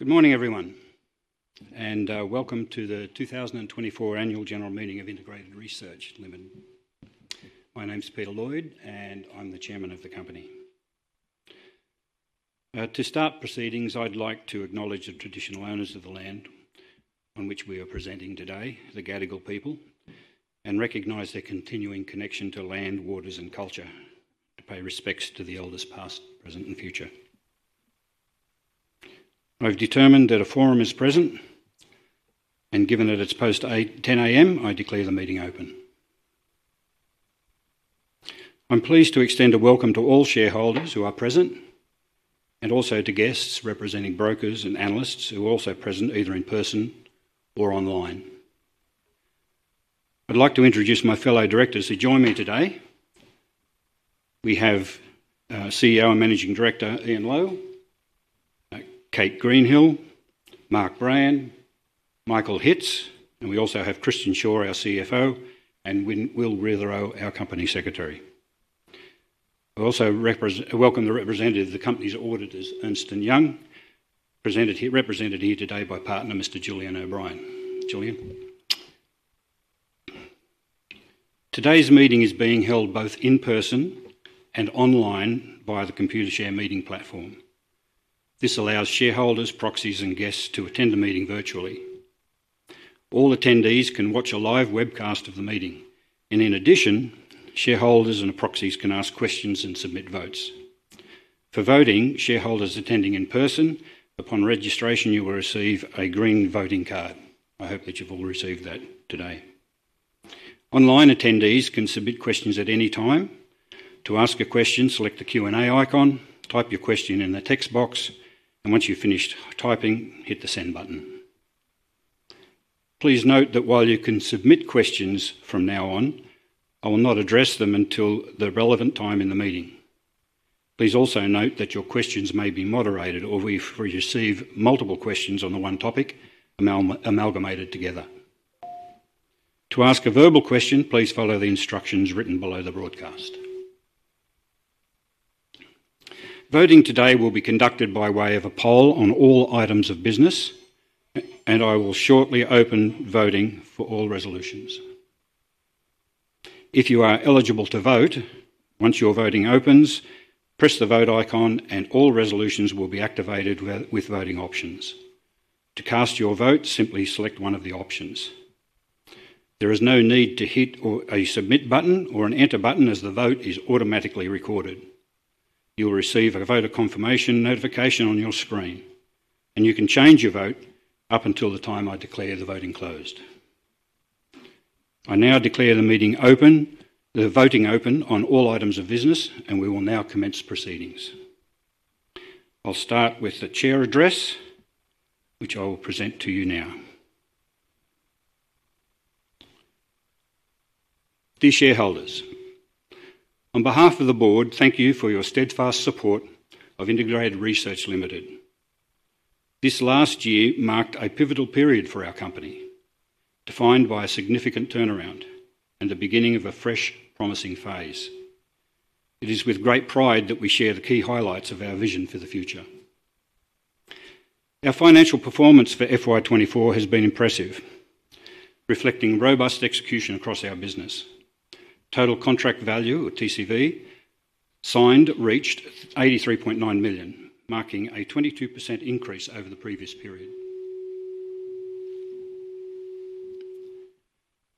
Good morning, everyone, and welcome to the 2024 Annual General Meeting of Integrated Research Limited. My name's Peter Lloyd, and I'm the Chairman of the company. To start proceedings, I'd like to acknowledge the traditional owners of the land on which we are presenting today, the Gadigal people, and recognize their continuing connection to land, waters, and culture, to pay respects to the elders past, present, and future. I've determined that a quorum is present, and given that it's post-8:10 A.M., I declare the meeting open. I'm pleased to extend a welcome to all shareholders who are present, and also to guests representing brokers and analysts who are also present either in person or online. I'd like to introduce my fellow directors who join me today. We have CEO and Managing Director Ian Lowe, Kate Greenhill, Mark Brayan, Michael Hitz, and we also have Christian Shaw, our CFO, and Will Witherow, our company secretary. I also welcome the representative of the company's auditors, Ernst & Young, represented here today by partner, Mr. Julian O'Brien. Julian. Today's meeting is being held both in person and online via the Computershare meeting platform. This allows shareholders, proxies, and guests to attend the meeting virtually. All attendees can watch a live webcast of the meeting, and in addition, shareholders and proxies can ask questions and submit votes. For voting, shareholders attending in person, upon registration, you will receive a green voting card. I hope that you've all received that today. Online attendees can submit questions at any time. To ask a question, select the Q&A icon, type your question in the text box, and once you've finished typing, hit the send button. Please note that while you can submit questions from now on, I will not address them until the relevant time in the meeting. Please also note that your questions may be moderated, or if we receive multiple questions on the one topic, amalgamated together. To ask a verbal question, please follow the instructions written below the broadcast. Voting today will be conducted by way of a poll on all items of business, and I will shortly open voting for all resolutions. If you are eligible to vote, once your voting opens, press the vote icon, and all resolutions will be activated with voting options. To cast your vote, simply select one of the options. There is no need to hit a submit button or an enter button, as the vote is automatically recorded. You'll receive a voter confirmation notification on your screen, and you can change your vote up until the time I declare the voting closed. I now declare the meeting open, the voting open on all items of business, and we will now commence proceedings. I'll start with the chair address, which I will present to you now. Dear shareholders, on behalf of the board, thank you for your steadfast support of Integrated Research Limited. This last year marked a pivotal period for our company, defined by a significant turnaround and the beginning of a fresh, promising phase. It is with great pride that we share the key highlights of our vision for the future. Our financial performance for FY24 has been impressive, reflecting robust execution across our business. Total contract value, or TCV, signed reached 83.9 million, marking a 22% increase over the previous period.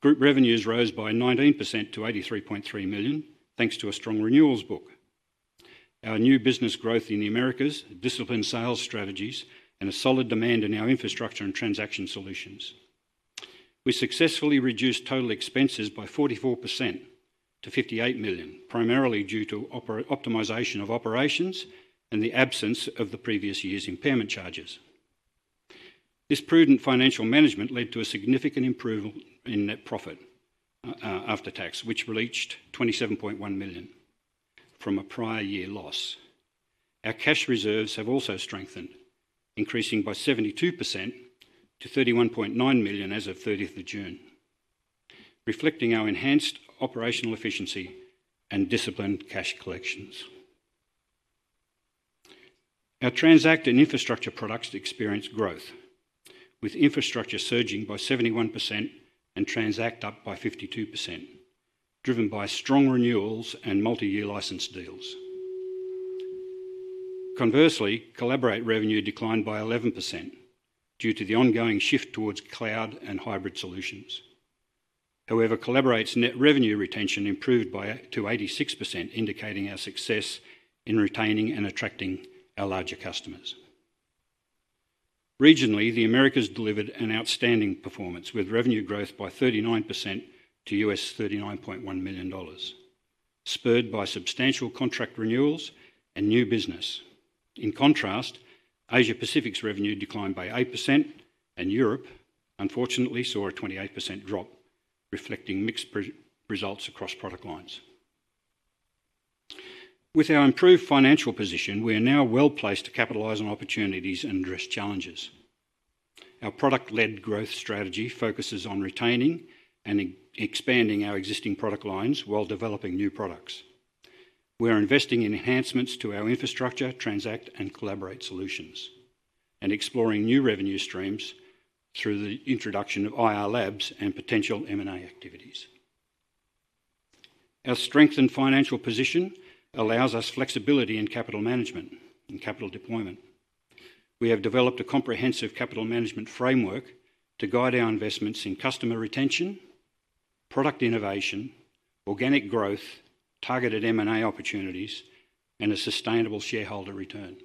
Group revenues rose by 19% to 83.3 million, thanks to a strong renewals book, our new business growth in the Americas, disciplined sales strategies, and a solid demand in our Infrastructure and Transact solutions. We successfully reduced total expenses by 44% to 58 million, primarily due to optimization of operations and the absence of the previous year's impairment charges. This prudent financial management led to a significant improvement in net profit after tax, which reached 27.1 million from a prior year loss. Our cash reserves have also strengthened, increasing by 72% to 31.9 million as of 30th June, reflecting our enhanced operational efficiency and disciplined cash collections. Our Transact and Infrastructure products experienced growth, with Infrastructure surging by 71% and Transact up by 52%, driven by strong renewals and multi-year license deals. Conversely, Collaborate revenue declined by 11% due to the ongoing shift towards cloud and hybrid solutions. However, Collaborate's net revenue retention improved by 86%, indicating our success in retaining and attracting our larger customers. Regionally, the Americas delivered an outstanding performance, with revenue growth by 39% to $39.1 million, spurred by substantial contract renewals and new business. In contrast, Asia-Pacific's revenue declined by 8%, and Europe, unfortunately, saw a 28% drop, reflecting mixed results across product lines. With our improved financial position, we are now well placed to capitalize on opportunities and address challenges. Our product-led growth strategy focuses on retaining and expanding our existing product lines while developing new products. We are investing in enhancements to our Infrastructure, Transact, and Collaborate solutions, and exploring new revenue streams through the introduction of IR Labs and potential M&A activities. Our strengthened financial position allows us flexibility in capital management and capital deployment. We have developed a comprehensive capital management framework to guide our investments in customer retention, product innovation, organic growth, targeted M&A opportunities, and a sustainable shareholder return.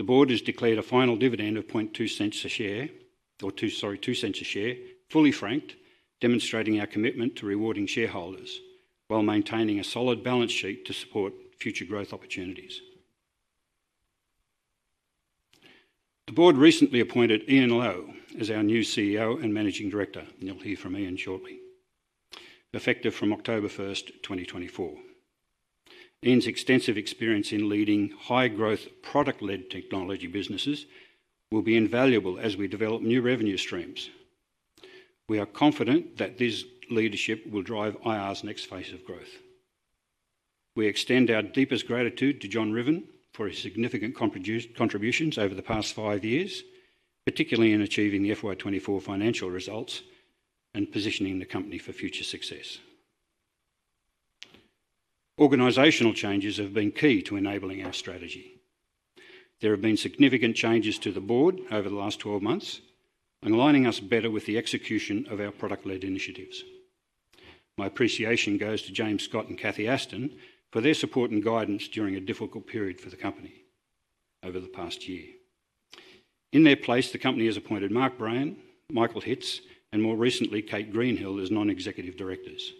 The board has declared a final dividend of 0.002 a share, or sorry, 0.02 a share, fully franked, demonstrating our commitment to rewarding shareholders while maintaining a solid balance sheet to support future growth opportunities. The board recently appointed Ian Lowe as our new CEO and Managing Director, and you'll hear from Ian shortly, effective from October 1st, 2024. Ian's extensive experience in leading high-growth product-led technology businesses will be invaluable as we develop new revenue streams. We are confident that this leadership will drive IR's next phase of growth. We extend our deepest gratitude to John Ruthven for his significant contributions over the past five years, particularly in achieving the FY24 financial results and positioning the company for future success. Organizational changes have been key to enabling our strategy. There have been significant changes to the board over the last 12 months, aligning us better with the execution of our product-led initiatives. My appreciation goes to James Scott and Cathy Aston for their support and guidance during a difficult period for the company over the past year. In their place, the company has appointed Mark Brayan, Michael Hitz, and more recently, Kate Greenhill as non-executive directors.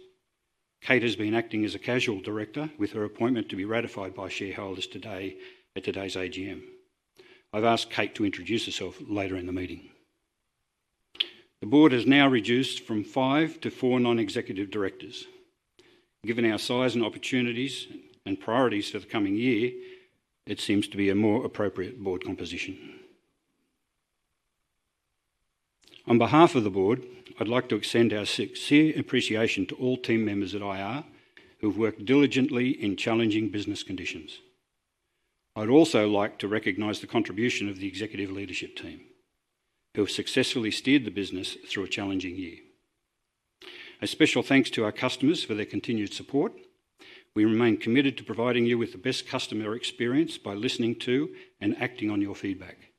Kate has been acting as a casual director with her appointment to be ratified by shareholders today at today's AGM. I've asked Kate to introduce herself later in the meeting. The board has now reduced from five to four non-executive directors. Given our size and opportunities and priorities for the coming year, it seems to be a more appropriate board composition. On behalf of the board, I'd like to extend our sincere appreciation to all team members at IR who have worked diligently in challenging business conditions. I'd also like to recognize the contribution of the executive leadership team who have successfully steered the business through a challenging year. A special thanks to our customers for their continued support. We remain committed to providing you with the best customer experience by listening to and acting on your feedback,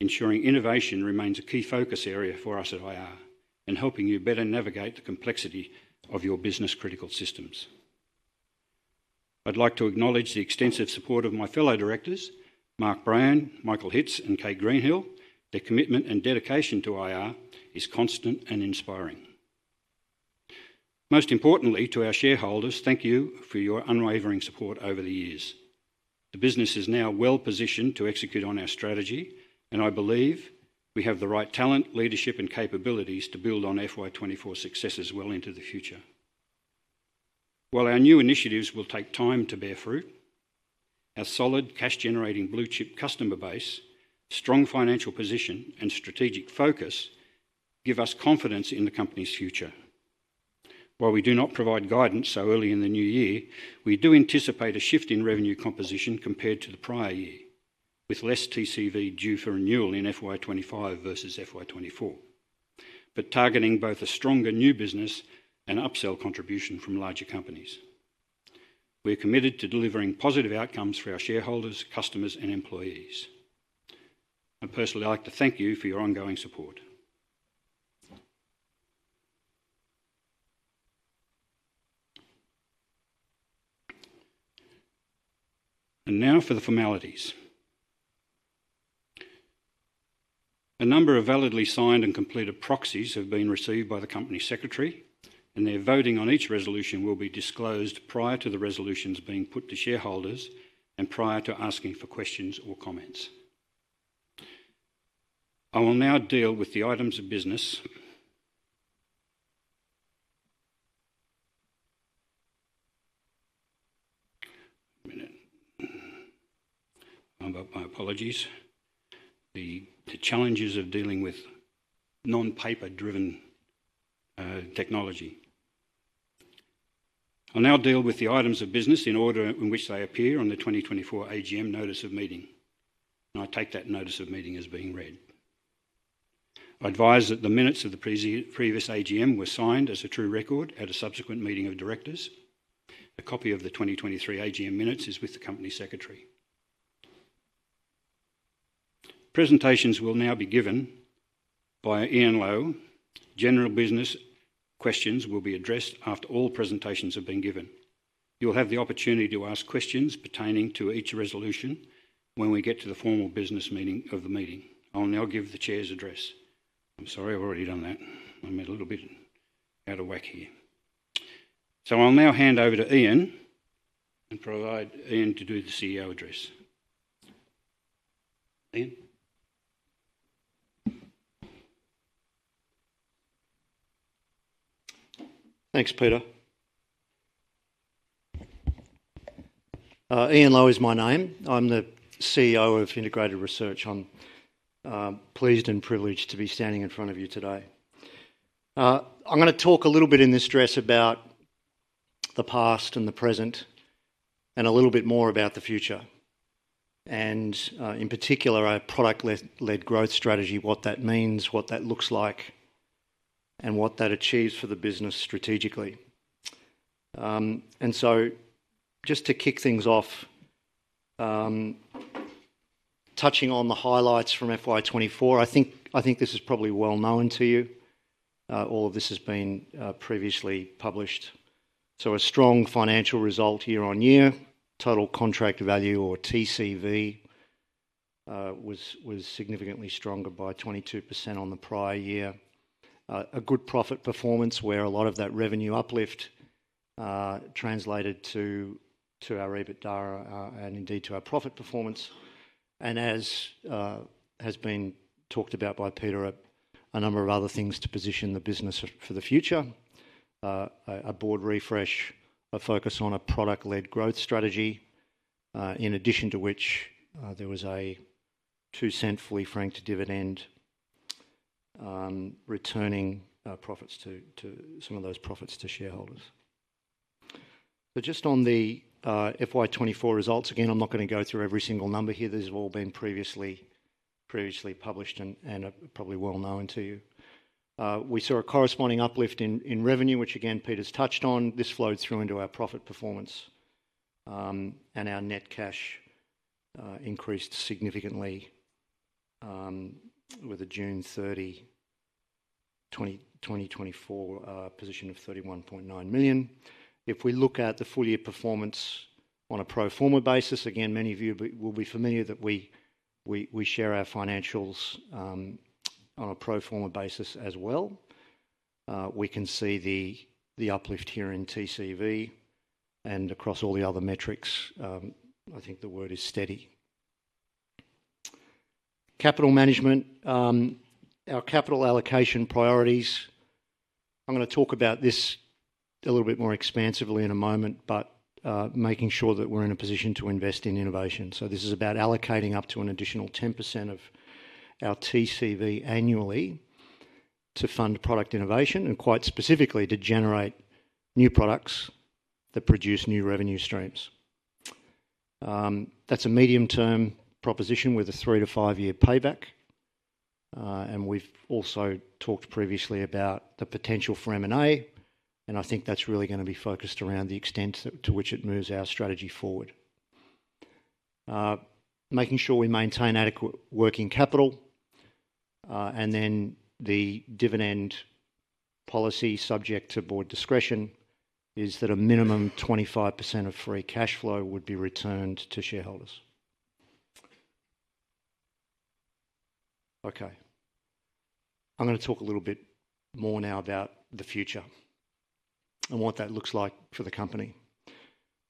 ensuring innovation remains a key focus area for us at IR and helping you better navigate the complexity of your business-critical systems. I'd like to acknowledge the extensive support of my fellow directors, Mark Brayan, Michael Hitz, and Kate Greenhill. Their commitment and dedication to IR is constant and inspiring. Most importantly, to our shareholders, thank you for your unwavering support over the years. The business is now well positioned to execute on our strategy, and I believe we have the right talent, leadership, and capabilities to build on FY24 successes well into the future. While our new initiatives will take time to bear fruit, our solid cash-generating blue-chip customer base, strong financial position, and strategic focus give us confidence in the company's future. While we do not provide guidance so early in the new year, we do anticipate a shift in revenue composition compared to the prior year, with less TCV due for renewal in FY25 versus FY24, but targeting both a stronger new business and upsell contribution from larger companies. We're committed to delivering positive outcomes for our shareholders, customers, and employees. And personally, I'd like to thank you for your ongoing support. And now for the formalities. A number of validly signed and completed proxies have been received by the company secretary, and their voting on each resolution will be disclosed prior to the resolutions being put to shareholders and prior to asking for questions or comments. I will now deal with the items of business. My apologies. The challenges of dealing with non-paper-driven technology. I'll now deal with the items of business in order in which they appear on the 2024 AGM notice of meeting, and I take that notice of meeting as being read. I advise that the minutes of the previous AGM were signed as a true record at a subsequent meeting of directors. A copy of the 2023 AGM minutes is with the company secretary. Presentations will now be given by Ian Lowe. General business questions will be addressed after all presentations have been given. You'll have the opportunity to ask questions pertaining to each resolution when we get to the formal business meeting of the meeting. I'll now give the chair's address. I'm sorry, I've already done that. I'm a little bit out of whack here. So I'll now hand over to Ian and provide Ian to do the CEO address. Ian. Thanks, Peter. Ian Lowe is my name. I'm the CEO of Integrated Research. I'm pleased and privileged to be standing in front of you today. I'm going to talk a little bit in this address about the past and the present, and a little bit more about the future, and in particular, our product-led growth strategy, what that means, what that looks like, and what that achieves for the business strategically. And so just to kick things off, touching on the highlights from FY24, I think this is probably well known to you. All of this has been previously published. So a strong financial result year on year, total contract value, or TCV, was significantly stronger by 22% on the prior year. A good profit performance where a lot of that revenue uplift translated to our EBITDA and indeed to our profit performance. And as has been talked about by Peter, a number of other things to position the business for the future, a board refresh, a focus on a product-led growth strategy, in addition to which there was a 0.02 fully franked dividend returning some of those profits to shareholders. But just on the FY24 results, again, I'm not going to go through every single number here. These have all been previously published and are probably well known to you. We saw a corresponding uplift in revenue, which again, Peter's touched on. This flowed through into our profit performance, and our net cash increased significantly with a June 30, 2024, position of 31.9 million. If we look at the full-year performance on a pro forma basis, again, many of you will be familiar that we share our financials on a pro forma basis as well. We can see the uplift here in TCV and across all the other metrics. I think the word is steady. Capital management, our capital allocation priorities. I'm going to talk about this a little bit more expansively in a moment, but making sure that we're in a position to invest in innovation. This is about allocating up to an additional 10% of our TCV annually to fund product innovation and quite specifically to generate new products that produce new revenue streams. That's a medium-term proposition with a three-year to five-year payback. We've also talked previously about the potential for M&A, and I think that's really going to be focused around the extent to which it moves our strategy forward. Making sure we maintain adequate working capital. The dividend policy, subject to board discretion, is that a minimum 25% of free cash flow would be returned to shareholders. Okay. I'm going to talk a little bit more now about the future and what that looks like for the company.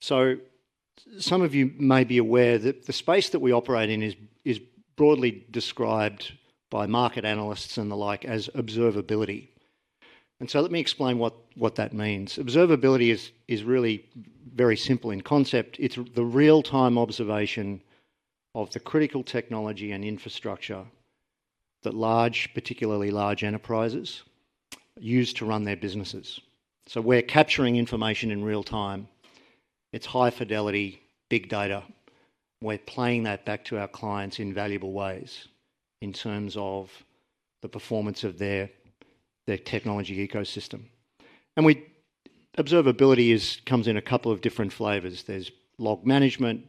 Some of you may be aware that the space that we operate in is broadly described by market analysts and the like as observability. And so let me explain what that means. Observability is really very simple in concept. It's the real-time observation of the critical technology and infrastructure that large, particularly large enterprises use to run their businesses. So we're capturing information in real time. It's high fidelity, big data. We're playing that back to our clients in valuable ways in terms of the performance of their technology ecosystem. And observability comes in a couple of different flavors. There's log management,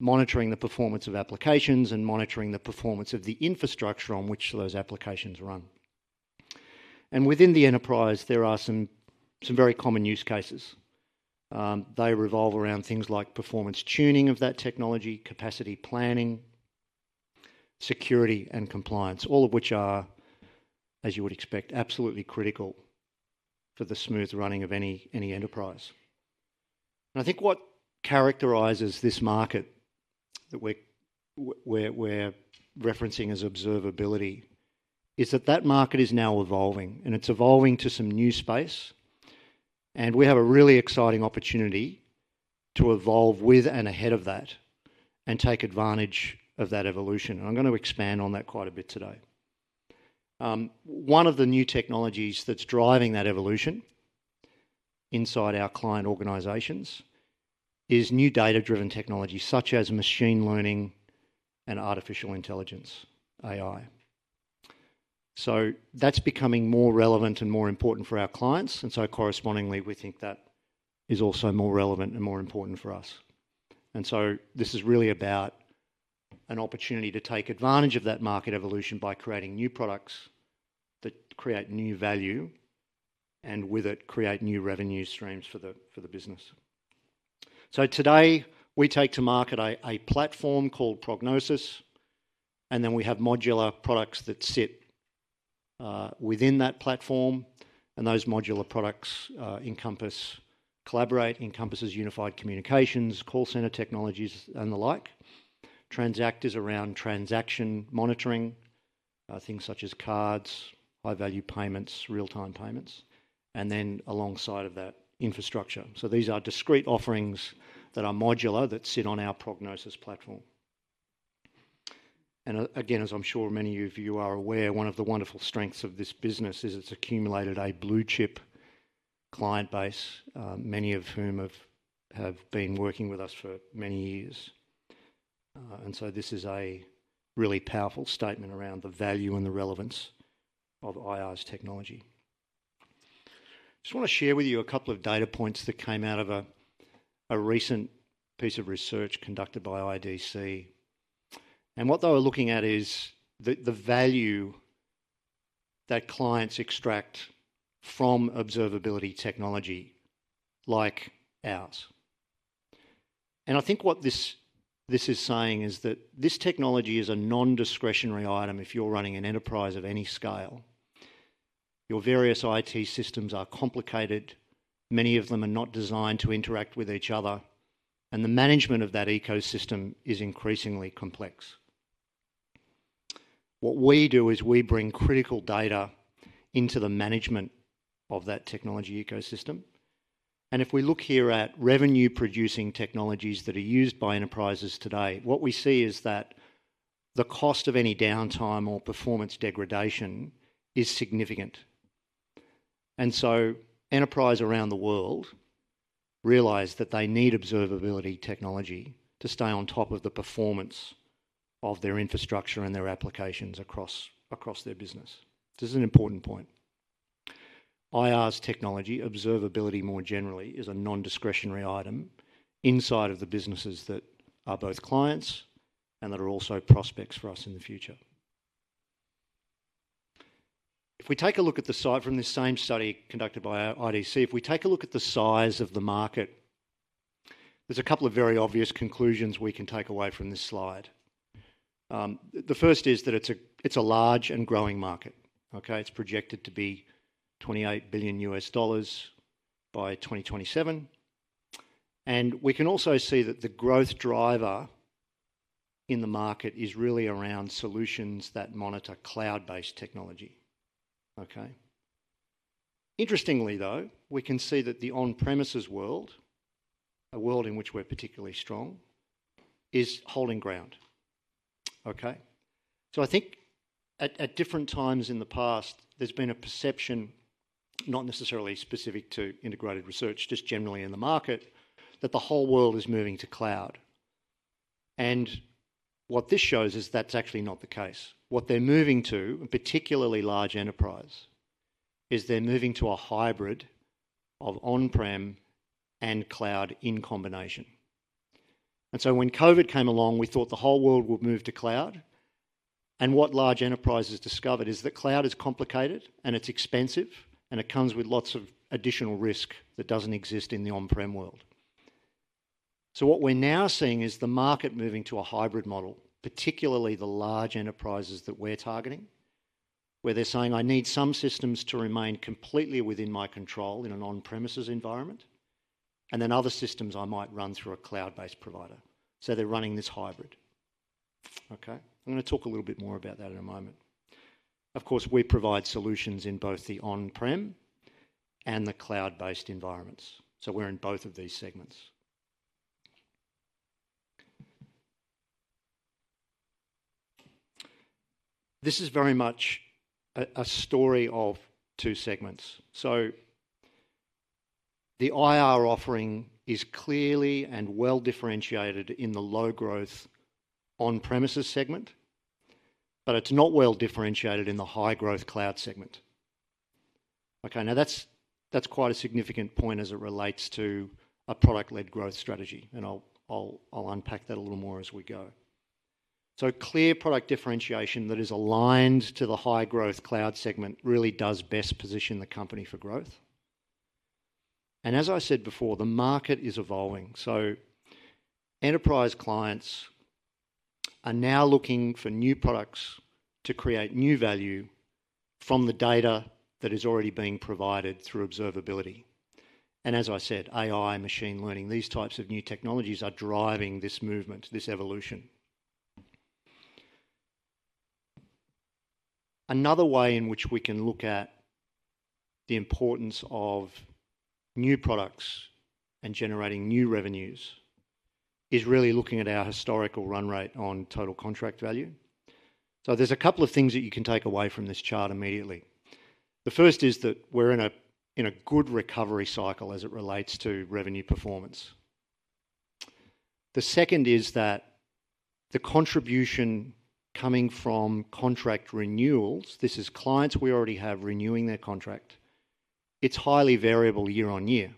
monitoring the performance of applications, and monitoring the performance of the infrastructure on which those applications run. And within the enterprise, there are some very common use cases. They revolve around things like performance tuning of that technology, capacity planning, security, and compliance, all of which are, as you would expect, absolutely critical for the smooth running of any enterprise. And I think what characterizes this market that we're referencing as observability is that that market is now evolving, and it's evolving to some new space. And we have a really exciting opportunity to evolve with and ahead of that and take advantage of that evolution. And I'm going to expand on that quite a bit today. One of the new technologies that's driving that evolution inside our client organizations is new data-driven technology such as machine learning and artificial intelligence, AI. So that's becoming more relevant and more important for our clients. And so correspondingly, we think that is also more relevant and more important for us. And so this is really about an opportunity to take advantage of that market evolution by creating new products that create new value and with it, create new revenue streams for the business. Today, we take to market a platform called Prognosis, and then we have modular products that sit within that platform. And those modular products encompass Collaborate, encompasses unified communications, call center technologies, and the like, Transact around transaction monitoring, things such as cards, high-value payments, real-time payments, and then alongside of that, Infrastructure. So these are discrete offerings that are modular that sit on our Prognosis platform. And again, as I'm sure many of you are aware, one of the wonderful strengths of this business is it's accumulated a blue-chip client base, many of whom have been working with us for many years. And so this is a really powerful statement around the value and the relevance of IR's technology. Just want to share with you a couple of data points that came out of a recent piece of research conducted by IDC. What they were looking at is the value that clients extract from observability technology like ours. I think what this is saying is that this technology is a non-discretionary item if you're running an enterprise of any scale. Your various IT systems are complicated. Many of them are not designed to interact with each other. The management of that ecosystem is increasingly complex. What we do is we bring critical data into the management of that technology ecosystem. If we look here at revenue-producing technologies that are used by enterprises today, what we see is that the cost of any downtime or performance degradation is significant, so enterprises around the world realize that they need observability technology to stay on top of the performance of their infrastructure and their applications across their business. This is an important point. IR's technology, observability more generally, is a non-discretionary item inside of the businesses that are both clients and that are also prospects for us in the future. If we take a look at the slide from this same study conducted by IDC, if we take a look at the size of the market, there's a couple of very obvious conclusions we can take away from this slide. The first is that it's a large and growing market. Okay? It's projected to be $28 billion by 2027. And we can also see that the growth driver in the market is really around solutions that monitor cloud-based technology. Okay? Interestingly, though, we can see that the on-premises world, a world in which we're particularly strong, is holding ground. Okay? So I think at different times in the past, there's been a perception, not necessarily specific to Integrated Research, just generally in the market, that the whole world is moving to cloud. And what this shows is that's actually not the case. What they're moving to, a particularly large enterprise, is they're moving to a hybrid of on-prem and cloud in combination. And so when COVID came along, we thought the whole world would move to cloud. And what large enterprises discovered is that cloud is complicated, and it's expensive, and it comes with lots of additional risk that doesn't exist in the on-prem world. So what we're now seeing is the market moving to a hybrid model, particularly the large enterprises that we're targeting, where they're saying, "I need some systems to remain completely within my control in an on-premises environment, and then other systems I might run through a cloud-based provider." So they're running this hybrid. Okay? I'm going to talk a little bit more about that in a moment. Of course, we provide solutions in both the on-prem and the cloud-based environments. So we're in both of these segments. This is very much a story of two segments. So the IR offering is clearly and well differentiated in the low-growth on-premises segment, but it's not well differentiated in the high-growth cloud segment. Okay? Now, that's quite a significant point as it relates to a product-led growth strategy. And I'll unpack that a little more as we go. So clear product differentiation that is aligned to the high-growth cloud segment really does best position the company for growth, and as I said before, the market is evolving, so enterprise clients are now looking for new products to create new value from the data that is already being provided through observability, and as I said, AI, machine learning, these types of new technologies are driving this movement, this evolution. Another way in which we can look at the importance of new products and generating new revenues is really looking at our historical run rate on total contract value, so there's a couple of things that you can take away from this chart immediately. The first is that we're in a good recovery cycle as it relates to revenue performance. The second is that the contribution coming from contract renewals (this is clients we already have renewing their contract) it's highly variable year on year.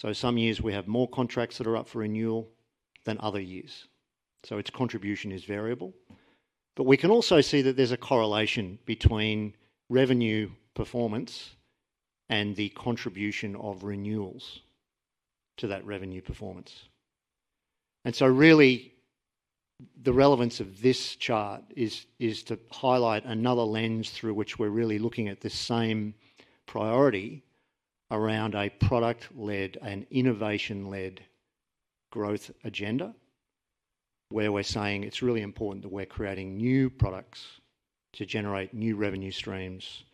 So some years, we have more contracts that are up for renewal than other years. So its contribution is variable. But we can also see that there's a correlation between revenue performance and the contribution of renewals to that revenue performance. And so really, the relevance of this chart is to highlight another lens through which we're really looking at the same priority around a product-led and innovation-led growth agenda, where we're saying it's really important that we're creating new products to generate new revenue streams,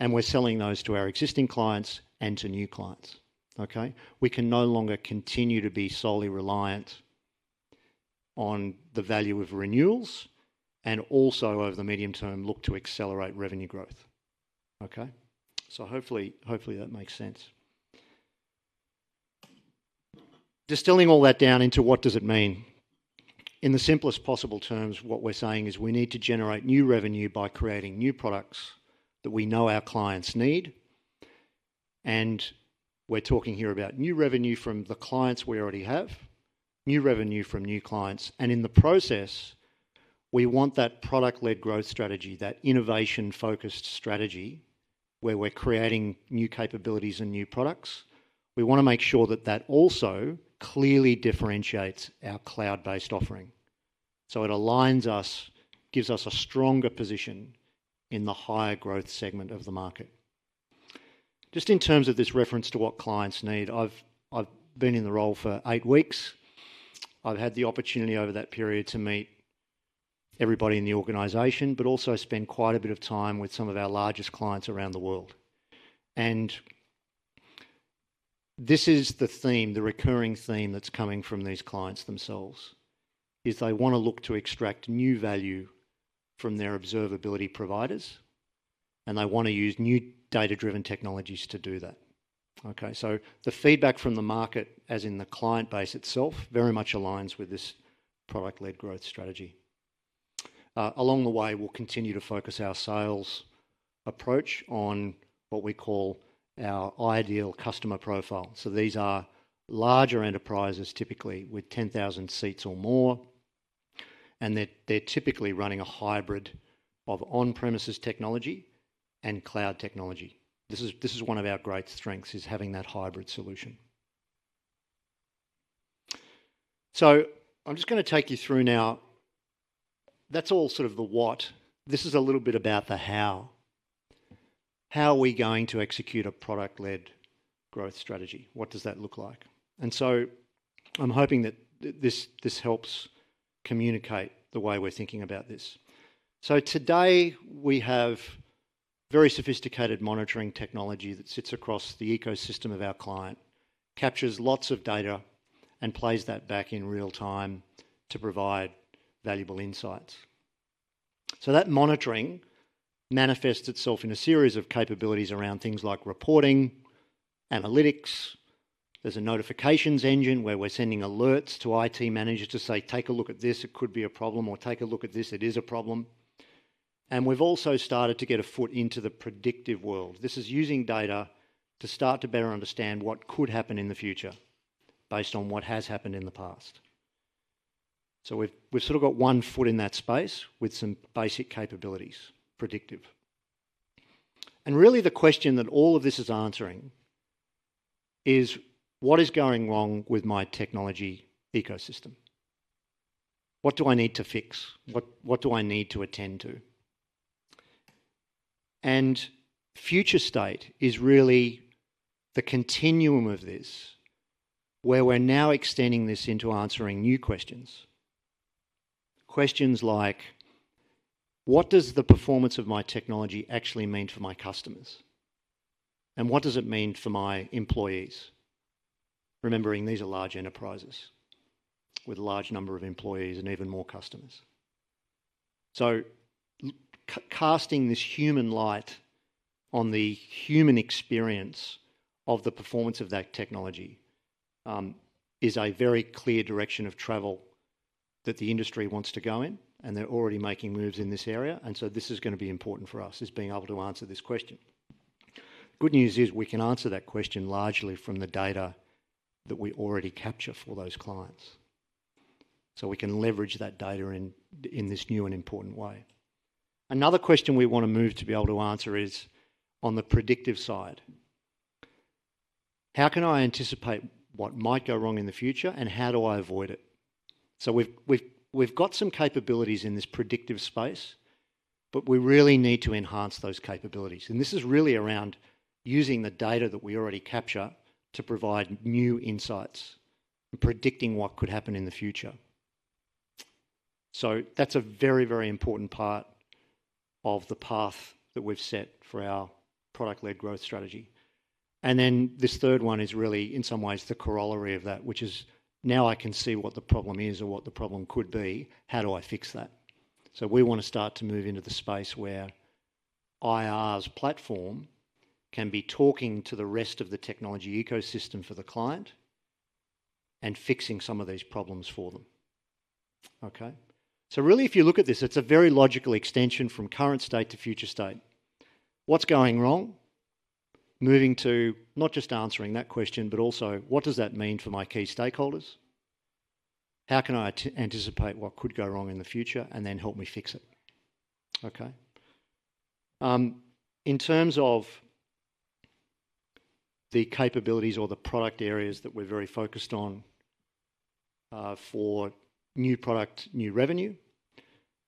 and we're selling those to our existing clients and to new clients. Okay? We can no longer continue to be solely reliant on the value of renewals and also, over the medium term, look to accelerate revenue growth. Okay? So hopefully, that makes sense. Distilling all that down into what does it mean? In the simplest possible terms, what we're saying is we need to generate new revenue by creating new products that we know our clients need. And we're talking here about new revenue from the clients we already have, new revenue from new clients. And in the process, we want that product-led growth strategy, that innovation-focused strategy, where we're creating new capabilities and new products. We want to make sure that that also clearly differentiates our cloud-based offering. So it aligns us, gives us a stronger position in the higher growth segment of the market. Just in terms of this reference to what clients need, I've been in the role for eight weeks. I've had the opportunity over that period to meet everybody in the organization, but also spend quite a bit of time with some of our largest clients around the world. And this is the theme, the recurring theme that's coming from these clients themselves, is they want to look to extract new value from their observability providers, and they want to use new data-driven technologies to do that. Okay? So the feedback from the market, as in the client base itself, very much aligns with this product-led growth strategy. Along the way, we'll continue to focus our sales approach on what we call our ideal customer profile. So these are larger enterprises, typically with 10,000 seats or more, and they're typically running a hybrid of on-premises technology and cloud technology. This is one of our great strengths, is having that hybrid solution. So I'm just going to take you through now. That's all sort of the what. This is a little bit about the how. How are we going to execute a Product-Led Growth strategy? What does that look like? And so I'm hoping that this helps communicate the way we're thinking about this. So today, we have very sophisticated monitoring technology that sits across the ecosystem of our client, captures lots of data, and plays that back in real time to provide valuable insights. So that monitoring manifests itself in a series of capabilities around things like reporting, analytics. There's a notifications engine where we're sending alerts to IT managers to say, "Take a look at this. It could be a problem," or, "Take a look at this. It is a problem." And we've also started to get a foot into the predictive world. This is using data to start to better understand what could happen in the future based on what has happened in the past, so we've sort of got one foot in that space with some basic capabilities, predictive, and really, the question that all of this is answering is, "What is going wrong with my technology ecosystem? What do I need to fix? What do I need to attend to?", and future state is really the continuum of this, where we're now extending this into answering new questions. Questions like, "What does the performance of my technology actually mean for my customers? And what does it mean for my employees?" Remembering, these are large enterprises with a large number of employees and even more customers. Casting this human light on the human experience of the performance of that technology is a very clear direction of travel that the industry wants to go in, and they're already making moves in this area. And so this is going to be important for us, is being able to answer this question. Good news is we can answer that question largely from the data that we already capture for those clients. So we can leverage that data in this new and important way. Another question we want to move to be able to answer is on the predictive side. How can I anticipate what might go wrong in the future, and how do I avoid it? So we've got some capabilities in this predictive space, but we really need to enhance those capabilities. And this is really around using the data that we already capture to provide new insights and predicting what could happen in the future. So that's a very, very important part of the path that we've set for our product-led growth strategy. And then this third one is really, in some ways, the corollary of that, which is, "Now I can see what the problem is or what the problem could be. How do I fix that?" So we want to start to move into the space where IR's platform can be talking to the rest of the technology ecosystem for the client and fixing some of these problems for them. Okay? So really, if you look at this, it's a very logical extension from current state to future state. What's going wrong? Moving to not just answering that question, but also, "What does that mean for my key stakeholders? How can I anticipate what could go wrong in the future and then help me fix it?" Okay? In terms of the capabilities or the product areas that we're very focused on for new product, new revenue,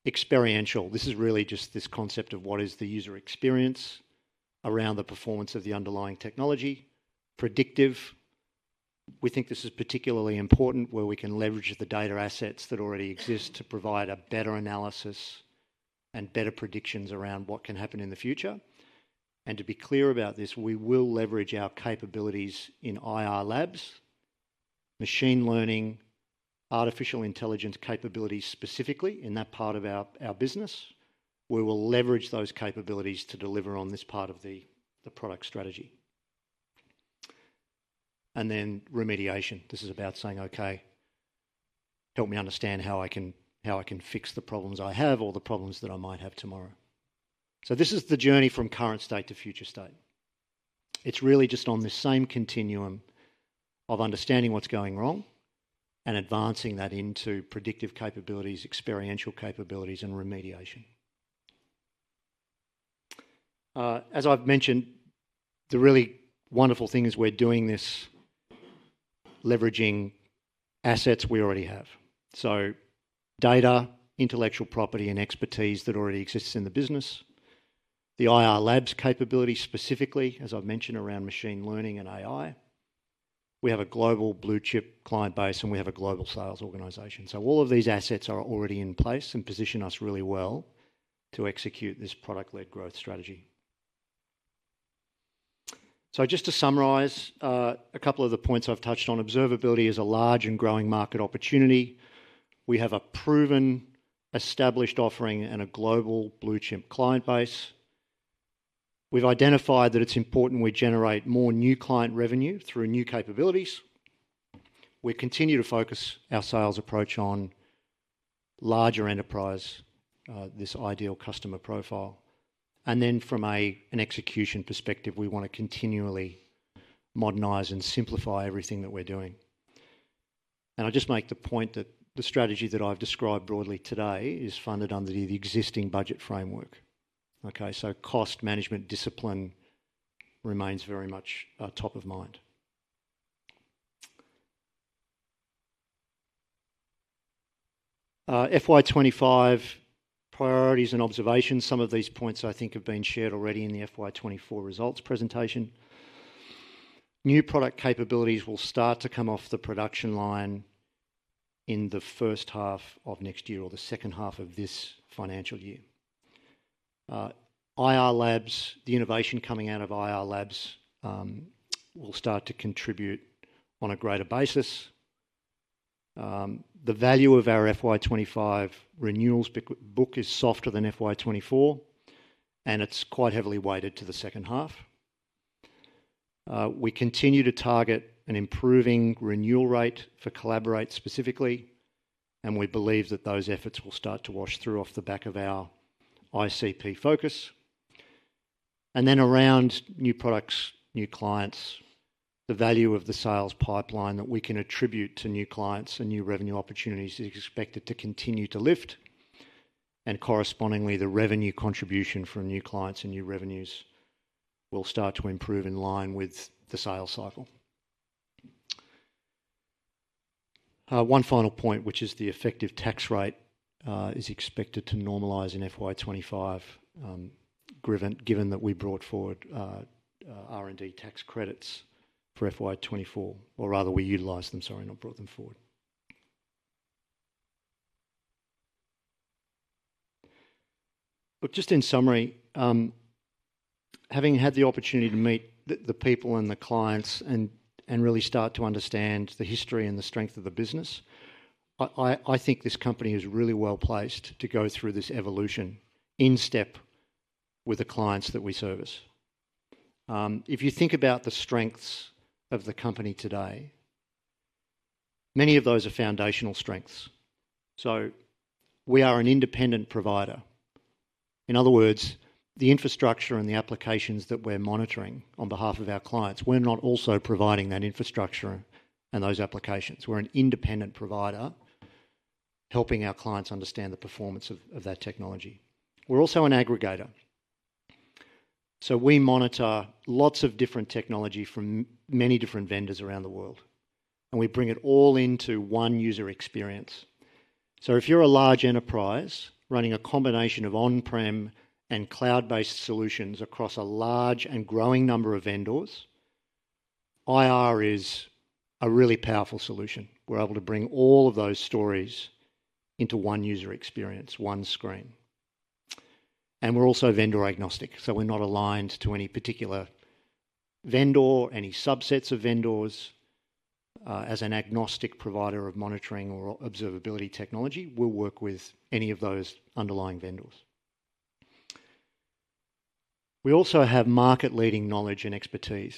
experiential. This is really just this concept of what is the user experience around the performance of the underlying technology. Predictive. We think this is particularly important where we can leverage the data assets that already exist to provide a better analysis and better predictions around what can happen in the future. And to be clear about this, we will leverage our capabilities in IR Labs, machine learning, artificial intelligence capabilities specifically in that part of our business. We will leverage those capabilities to deliver on this part of the product strategy. And then remediation. This is about saying, "Okay, help me understand how I can fix the problems I have or the problems that I might have tomorrow." So this is the journey from current state to future state. It's really just on this same continuum of understanding what's going wrong and advancing that into predictive capabilities, experiential capabilities, and remediation. As I've mentioned, the really wonderful thing is we're doing this leveraging assets we already have. So data, intellectual property, and expertise that already exists in the business. The IR Labs capability specifically, as I've mentioned, around Machine Learning and AI. We have a global blue chip client base, and we have a global sales organization. So all of these assets are already in place and position us really well to execute this Product-Led Growth strategy. So just to summarize a couple of the points I've touched on, observability is a large and growing market opportunity. We have a proven, established offering and a global blue chip client base. We've identified that it's important we generate more new client revenue through new capabilities. We continue to focus our sales approach on larger enterprise, this ideal customer profile. And then from an execution perspective, we want to continually modernize and simplify everything that we're doing. And I'll just make the point that the strategy that I've described broadly today is funded under the existing budget framework. Okay? So cost management discipline remains very much top of mind. FY25 priorities and observations. Some of these points, I think, have been shared already in the FY24 results presentation. New product capabilities will start to come off the production line in the first half of next year or the second half of this financial year. IR Labs, the innovation coming out of IR Labs will start to contribute on a greater basis. The value of our FY25 renewals book is softer than FY24, and it's quite heavily weighted to the second half. We continue to target an improving renewal rate for Collaborate specifically, and we believe that those efforts will start to wash through off the back of our ICP focus. And then around new products, new clients, the value of the sales pipeline that we can attribute to new clients and new revenue opportunities is expected to continue to lift. And correspondingly, the revenue contribution from new clients and new revenues will start to improve in line with the sales cycle. One final point, which is the effective tax rate is expected to normalize in FY25, given that we brought forward R&D tax credits for FY24, or rather, we utilized them, sorry, not brought them forward. Look, just in summary, having had the opportunity to meet the people and the clients and really start to understand the history and the strength of the business, I think this company is really well placed to go through this evolution in step with the clients that we service. If you think about the strengths of the company today, many of those are foundational strengths. So we are an independent provider. In other words, the infrastructure and the applications that we're monitoring on behalf of our clients, we're not also providing that infrastructure and those applications. We're an independent provider helping our clients understand the performance of that technology. We're also an aggregator. We monitor lots of different technology from many different vendors around the world, and we bring it all into one user experience. So if you're a large enterprise running a combination of on-prem and cloud-based solutions across a large and growing number of vendors, IR is a really powerful solution. We're able to bring all of those sources into one user experience, one screen. And we're also vendor agnostic. So we're not aligned to any particular vendor, any subsets of vendors. As an agnostic provider of monitoring or observability technology, we'll work with any of those underlying vendors. We also have market-leading knowledge and expertise,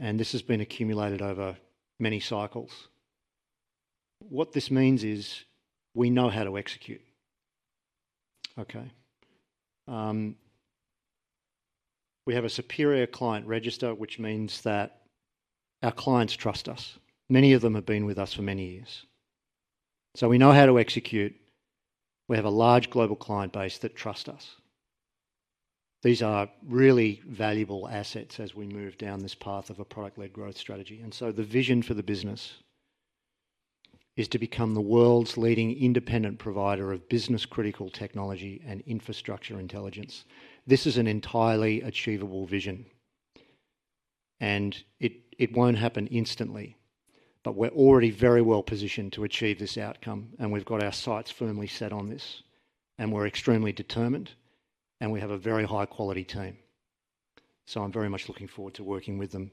and this has been accumulated over many cycles. What this means is we know how to execute. Okay? We have a superior client register, which means that our clients trust us. Many of them have been with us for many years. We know how to execute. We have a large global client base that trusts us. These are really valuable assets as we move down this path of a product-led growth strategy. And so the vision for the business is to become the world's leading independent provider of business-critical technology and infrastructure intelligence. This is an entirely achievable vision, and it won't happen instantly, but we're already very well positioned to achieve this outcome, and we've got our sights firmly set on this, and we're extremely determined, and we have a very high-quality team. So I'm very much looking forward to working with them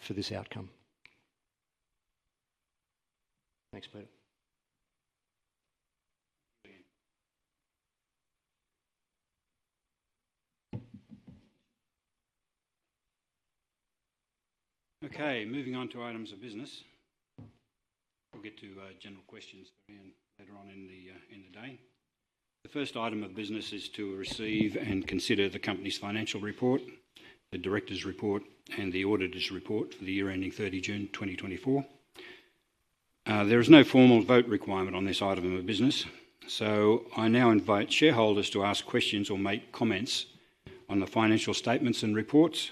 for this outcome. Thanks, Peter. Okay. Moving on to items of business. We'll get to general questions later on in the day. The first item of business is to receive and consider the company's financial report, the director's report, and the auditor's report for the year ending 30 June 2024. There is no formal vote requirement on this item of business. So I now invite shareholders to ask questions or make comments on the financial statements and reports,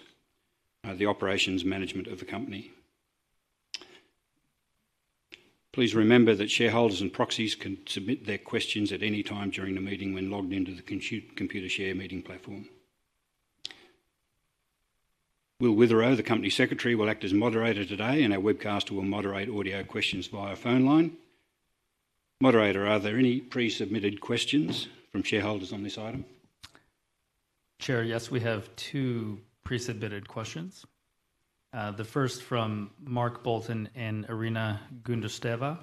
the operations management of the company. Please remember that shareholders and proxies can submit their questions at any time during the meeting when logged into the Computershare meeting platform. Will Witherow, the company secretary, will act as moderator today, and our webcaster will moderate audio questions via phone line. Moderator, are there any pre-submitted questions from shareholders on this item? Chair, yes, we have two pre-submitted questions. The first from Mark Bolton and Irina Gundusteva.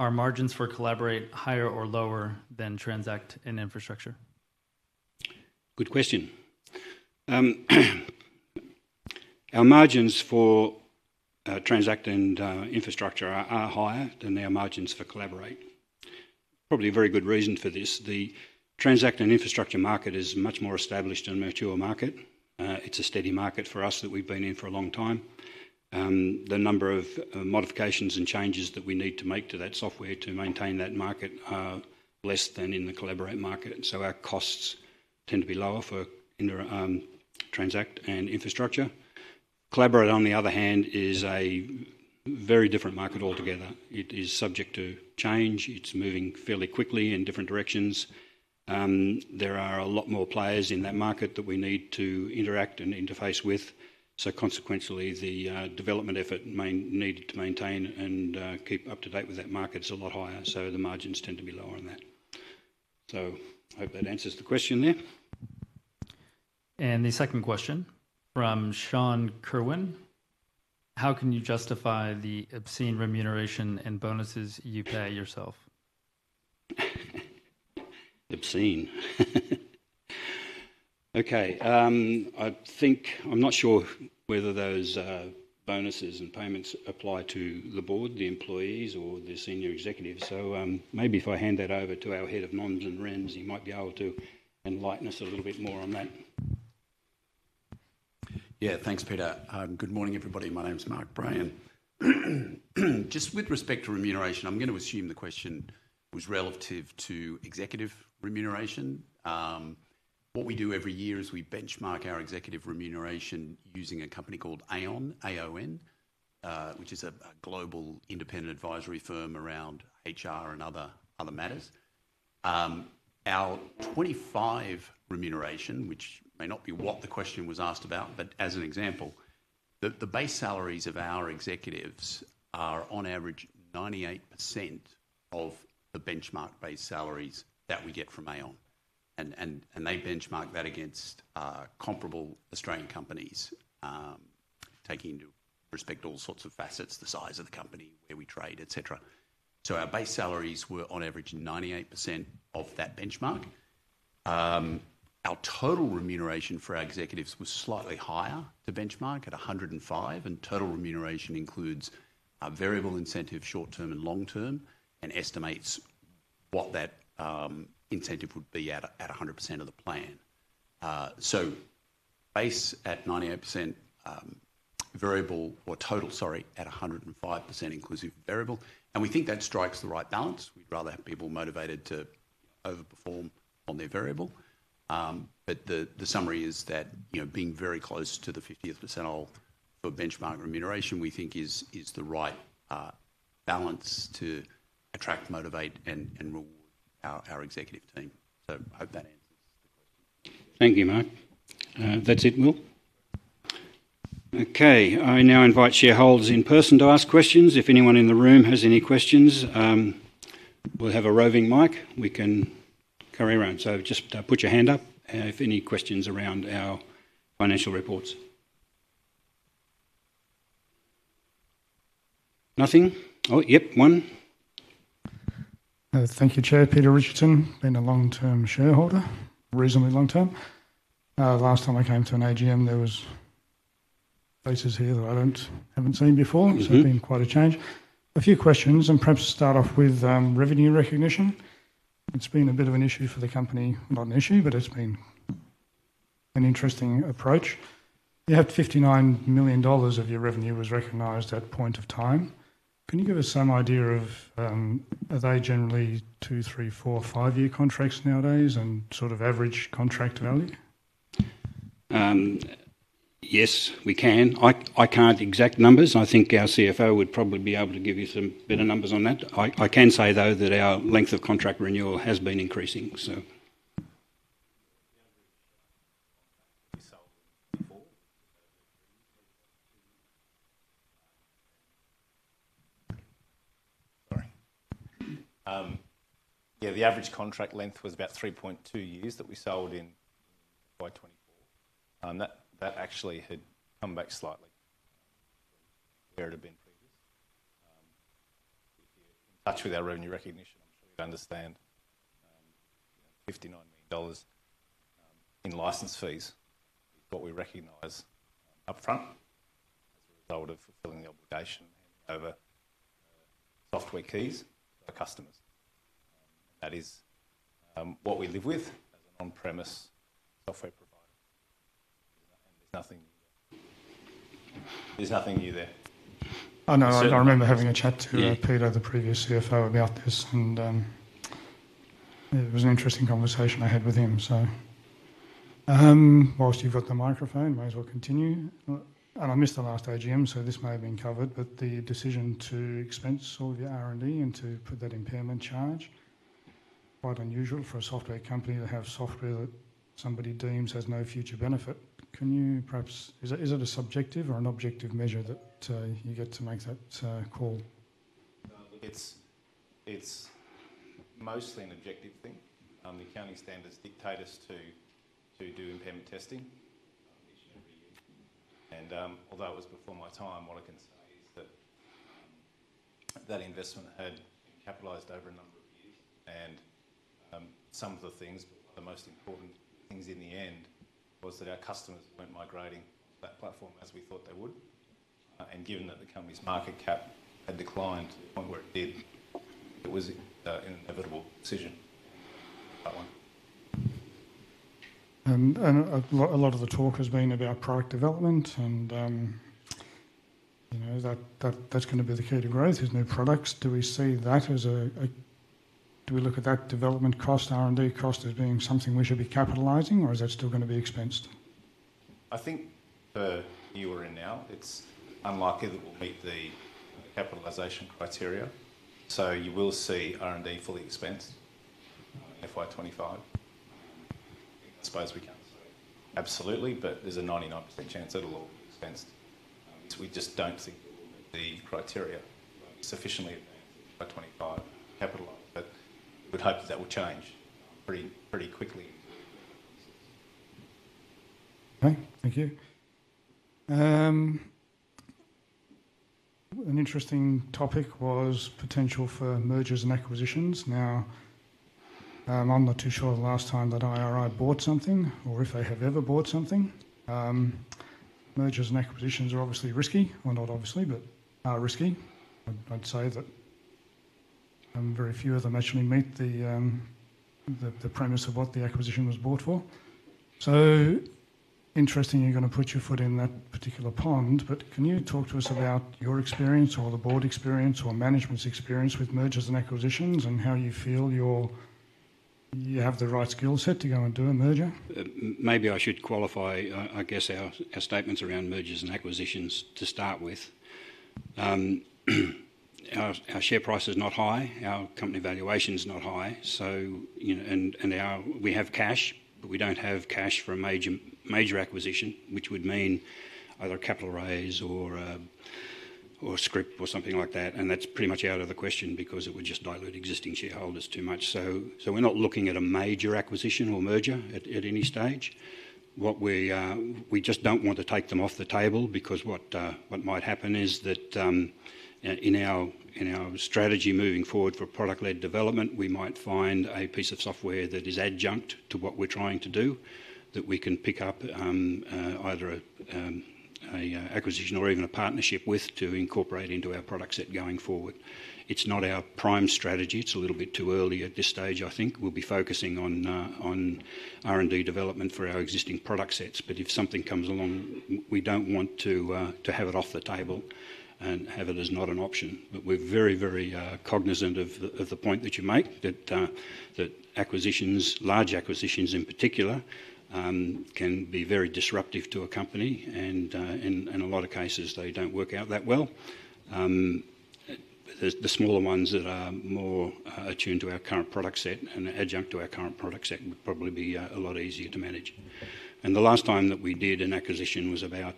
Are margins for Collaborate higher or lower than Transact and Infrastructure? Good question. Our margins for Transact and Infrastructure are higher than our margins for Collaborate. Probably a very good reason for this. The Transact and Infrastructure market is a much more established and mature market. It's a steady market for us that we've been in for a long time. The number of modifications and changes that we need to make to that software to maintain that market are less than in the Collaborate market. So our costs tend to be lower for Transact and Infrastructure. Collaborate, on the other hand, is a very different market altogether. It is subject to change. It's moving fairly quickly in different directions. There are a lot more players in that market that we need to interact and interface with. So consequently, the development effort needed to maintain and keep up to date with that market is a lot higher. So the margins tend to be lower on that. So I hope that answers the question there. And the second question from Sean Kirwin. How can you justify the obscene remuneration and bonuses you pay yourself? Obscene. Okay. I'm not sure whether those bonuses and payments apply to the board, the employees, or the senior executive. So maybe if I hand that over to our head of Noms and Rems, he might be able to enlighten us a little bit more on that. Yeah. Thanks, Peter. Good morning, everybody. My name's Mark Brayan. Just with respect to remuneration, I'm going to assume the question was relative to executive remuneration. What we do every year is we benchmark our executive remuneration using a company called Aon, which is a global independent advisory firm around HR and other matters. Our FY25 remuneration, which may not be what the question was asked about, but as an example, the base salaries of our executives are on average 98% of the benchmark base salaries that we get from Aon. And they benchmark that against comparable Australian companies, taking into respect all sorts of facets, the size of the company, where we trade, etc. So our base salaries were on average 98% of that benchmark. Our total remuneration for our executives was slightly higher to benchmark at 105%. Total remuneration includes variable incentive, short-term and long-term, and estimates what that incentive would be at 100% of the plan. Base at 98%, variable or total, sorry, at 105% inclusive variable. We think that strikes the right balance. We'd rather have people motivated to overperform on their variable. The summary is that being very close to the 50th percentile for benchmark remuneration, we think, is the right balance to attract, motivate, and reward our executive team. I hope that answers the question. Thank you, Mark. That's it, Will. Okay. I now invite shareholders in person to ask questions. If anyone in the room has any questions, we'll have a roving mic we can carry around. So just put your hand up if any questions around our financial reports. Nothing? Oh, yep, one. Thank you, Chair. Peter Richardson. Been a long-term shareholder, reasonably long-term. Last time I came to an AGM, there were faces here that I haven't seen before. So it's been quite a change. A few questions, and perhaps start off with revenue recognition. It's been a bit of an issue for the company. Not an issue, but it's been an interesting approach. You have 59 million dollars of your revenue was recognized at point in time. Can you give us some idea of are they generally two, three, four, five-year contracts nowadays and sort of average contract value? Yes, we can. I can't give exact numbers. I think our CFO would probably be able to give you some better numbers on that. I can say, though, that our length of contract renewal has been increasing, so. Sorry. Yeah, the average contract length was about 3.2 years that we sold in 2024. That actually had come back slightly from where it had been previously. If you're in touch with our revenue recognition, I'm sure you understand $59 million in license fees is what we recognize upfront as a result of fulfilling the obligation and handing over software keys to our customers. And that is what we live with as an on-premises software provider. And there's nothing new there. There's nothing new there. Oh, no. I remember having a chat to Peter, the previous CFO, about this, and it was an interesting conversation I had with him, so. While you've got the microphone, might as well continue, and I missed the last AGM, so this may have been covered, but the decision to expense all of your R&D and to put that impairment charge is quite unusual for a software company to have software that somebody deems has no future benefit. Can you perhaps? Is it a subjective or an objective measure that you get to make that call? It's mostly an objective thing. The accounting standards dictate us to do impairment testing each and every year. And although it was before my time, what I can say is that that investment had capitalized over a number of years. And some of the things, but the most important things in the end was that our customers weren't migrating to that platform as we thought they would. And given that the company's market cap had declined to the point where it did, it was an inevitable decision. That one. A lot of the talk has been about product development, and that's going to be the key to growth, is new products. Do we look at that development cost, R&D cost, as being something we should be capitalizing, or is that still going to be expensed? I think the year we're in now, it's unlikely that we'll meet the capitalization criteria. So you will see R&D fully expensed FY25. I suppose we can say absolutely, but there's a 99% chance it'll all be expensed. We just don't think we'll meet the criteria sufficiently advanced in FY25 capitalized. But we'd hope that that will change pretty quickly. Okay. Thank you. An interesting topic was potential for mergers and acquisitions. Now, I'm not too sure the last time that IR bought something or if they have ever bought something. Mergers and acquisitions are obviously risky, well, not obviously, but risky. I'd say that very few of them actually meet the premise of what the acquisition was bought for. So interesting you're going to put your foot in that particular pond, but can you talk to us about your experience or the board experience or management's experience with mergers and acquisitions and how you feel you have the right skill set to go and do a merger? Maybe I should qualify, I guess, our statements around mergers and acquisitions to start with. Our share price is not high. Our company valuation is not high, and we have cash, but we don't have cash for a major acquisition, which would mean either a capital raise or a scrip or something like that, and that's pretty much out of the question because it would just dilute existing shareholders too much. So we're not looking at a major acquisition or merger at any stage. We just don't want to take them off the table because what might happen is that in our strategy moving forward for product-led development, we might find a piece of software that is adjunct to what we're trying to do that we can pick up either an acquisition or even a partnership with to incorporate into our product set going forward. It's not our prime strategy. It's a little bit too early at this stage, I think. We'll be focusing on R&D development for our existing product sets. But if something comes along, we don't want to have it off the table and have it as not an option. But we're very, very cognizant of the point that you make that acquisitions, large acquisitions in particular, can be very disruptive to a company. And in a lot of cases, they don't work out that well. The smaller ones that are more attuned to our current product set and adjunct to our current product set would probably be a lot easier to manage. And the last time that we did an acquisition was about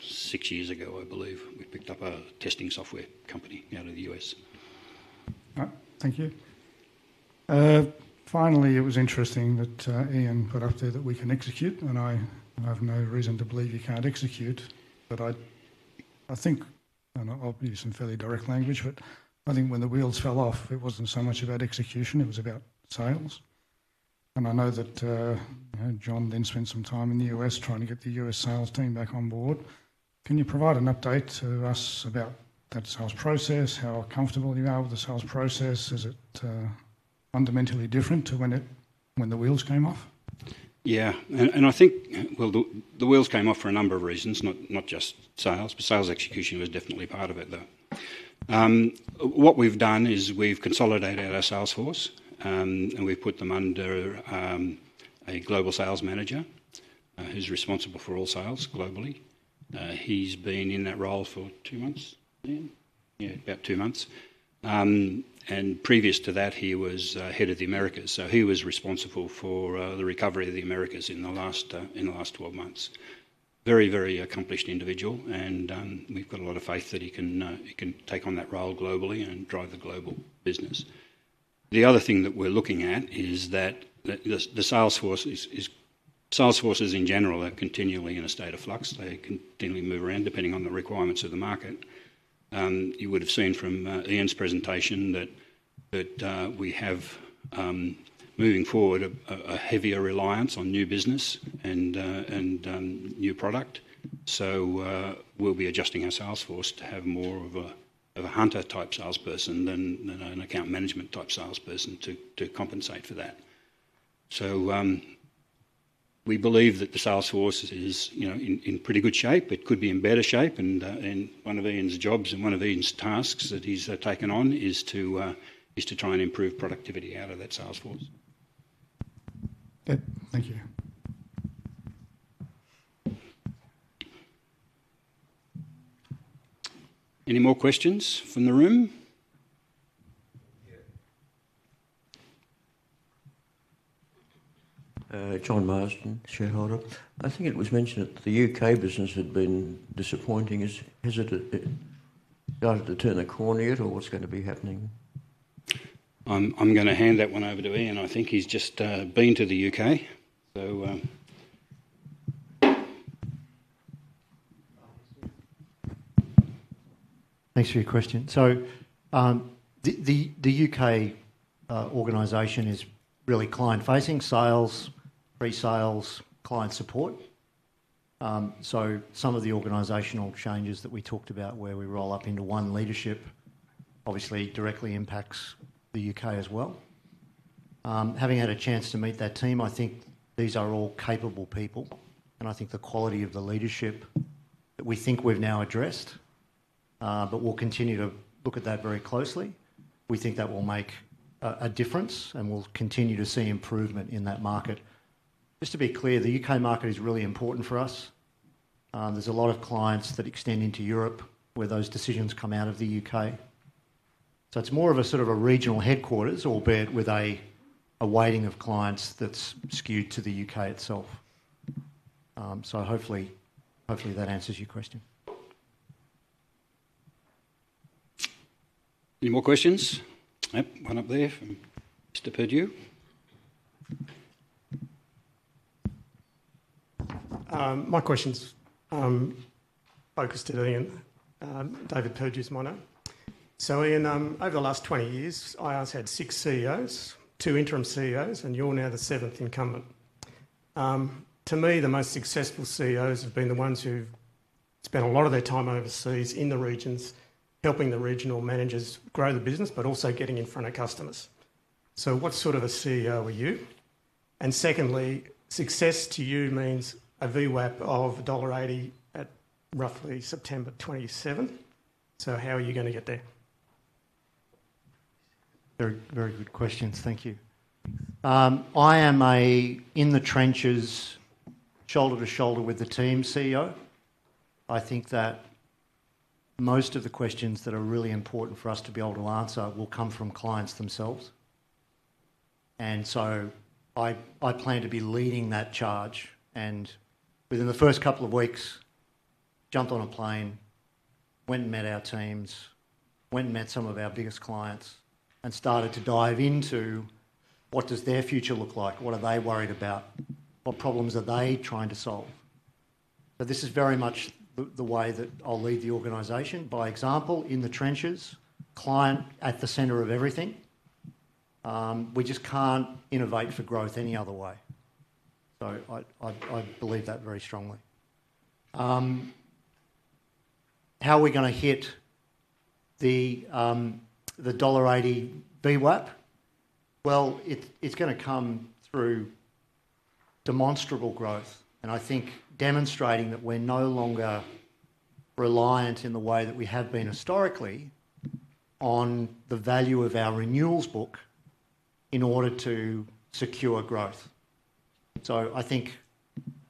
six years ago, I believe. We picked up a testing software company out of the U.S. All right. Thank you. Finally, it was interesting that Ian put up there that we can execute, and I have no reason to believe you can't execute. But I think, and I'll use some fairly direct language, but I think when the wheels fell off, it wasn't so much about execution. It was about sales. And I know that John then spent some time in the U.S. trying to get the U.S. sales team back on board. Can you provide an update to us about that sales process, how comfortable you are with the sales process? Is it fundamentally different to when the wheels came off? Yeah, and I think, well, the wheels came off for a number of reasons, not just sales, but sales execution was definitely part of it, though. What we've done is we've consolidated our sales force, and we've put them under a global sales manager who's responsible for all sales globally. He's been in that role for two months, Ian, yeah, about two months. And previous to that, he was head of the Americas. So he was responsible for the recovery of the Americas in the last 12 months. Very, very accomplished individual. And we've got a lot of faith that he can take on that role globally and drive the global business. The other thing that we're looking at is that the sales forces in general are continually in a state of flux. They continually move around depending on the requirements of the market. You would have seen from Ian's presentation that we have, moving forward, a heavier reliance on new business and new product, so we'll be adjusting our sales force to have more of a hunter-type salesperson than an account management-type salesperson to compensate for that, so we believe that the sales force is in pretty good shape. It could be in better shape, and one of Ian's jobs and one of Ian's tasks that he's taken on is to try and improve productivity out of that sales force. Okay. Thank you. Any more questions from the room? Yeah. John Marston, shareholder. I think it was mentioned that the U.K. business had been disappointing. Has it started to turn a corner yet, or what's going to be happening? I'm going to hand that one over to Ian. I think he's just been to the UK, so. Thanks for your question. So the U.K. organization is really client-facing, sales, pre-sales, client support. So some of the organizational changes that we talked about where we roll up into one leadership obviously directly impacts the U.K. as well. Having had a chance to meet that team, I think these are all capable people. And I think the quality of the leadership that we think we've now addressed, but we'll continue to look at that very closely, we think that will make a difference and we'll continue to see improvement in that market. Just to be clear, the U.K. market is really important for us. There's a lot of clients that extend into Europe where those decisions come out of the U.K. So it's more of a sort of a regional headquarters, albeit with a weighting of clients that's skewed to the U.K. itself. So hopefully that answers your question. Any more questions? Yep, one up there from Mr. Purdue. My question's focused at Ian. David Purdue's my name. So Ian, over the last 20 years, IRS had six CEOs, two interim CEOs, and you're now the seventh incumbent. To me, the most successful CEOs have been the ones who've spent a lot of their time overseas in the regions helping the regional managers grow the business, but also getting in front of customers. So what sort of a CEO are you? And secondly, success to you means a VWAP of dollar 1.80 at roughly September 27th. So how are you going to get there? Very good questions. Thank you. I am a in-the-trenches, shoulder-to-shoulder-with-the-team CEO. I think that most of the questions that are really important for us to be able to answer will come from clients themselves. And so I plan to be leading that charge and within the first couple of weeks, jump on a plane, went and met our teams, went and met some of our biggest clients, and started to dive into what does their future look like? What are they worried about? What problems are they trying to solve? So this is very much the way that I'll lead the organization. By example, in the trenches, client at the center of everything. We just can't innovate for growth any other way. So I believe that very strongly. How are we going to hit the AUD 1.80 VWAP? Well, it's going to come through demonstrable growth. I think demonstrating that we're no longer reliant in the way that we have been historically on the value of our renewals book in order to secure growth. So I think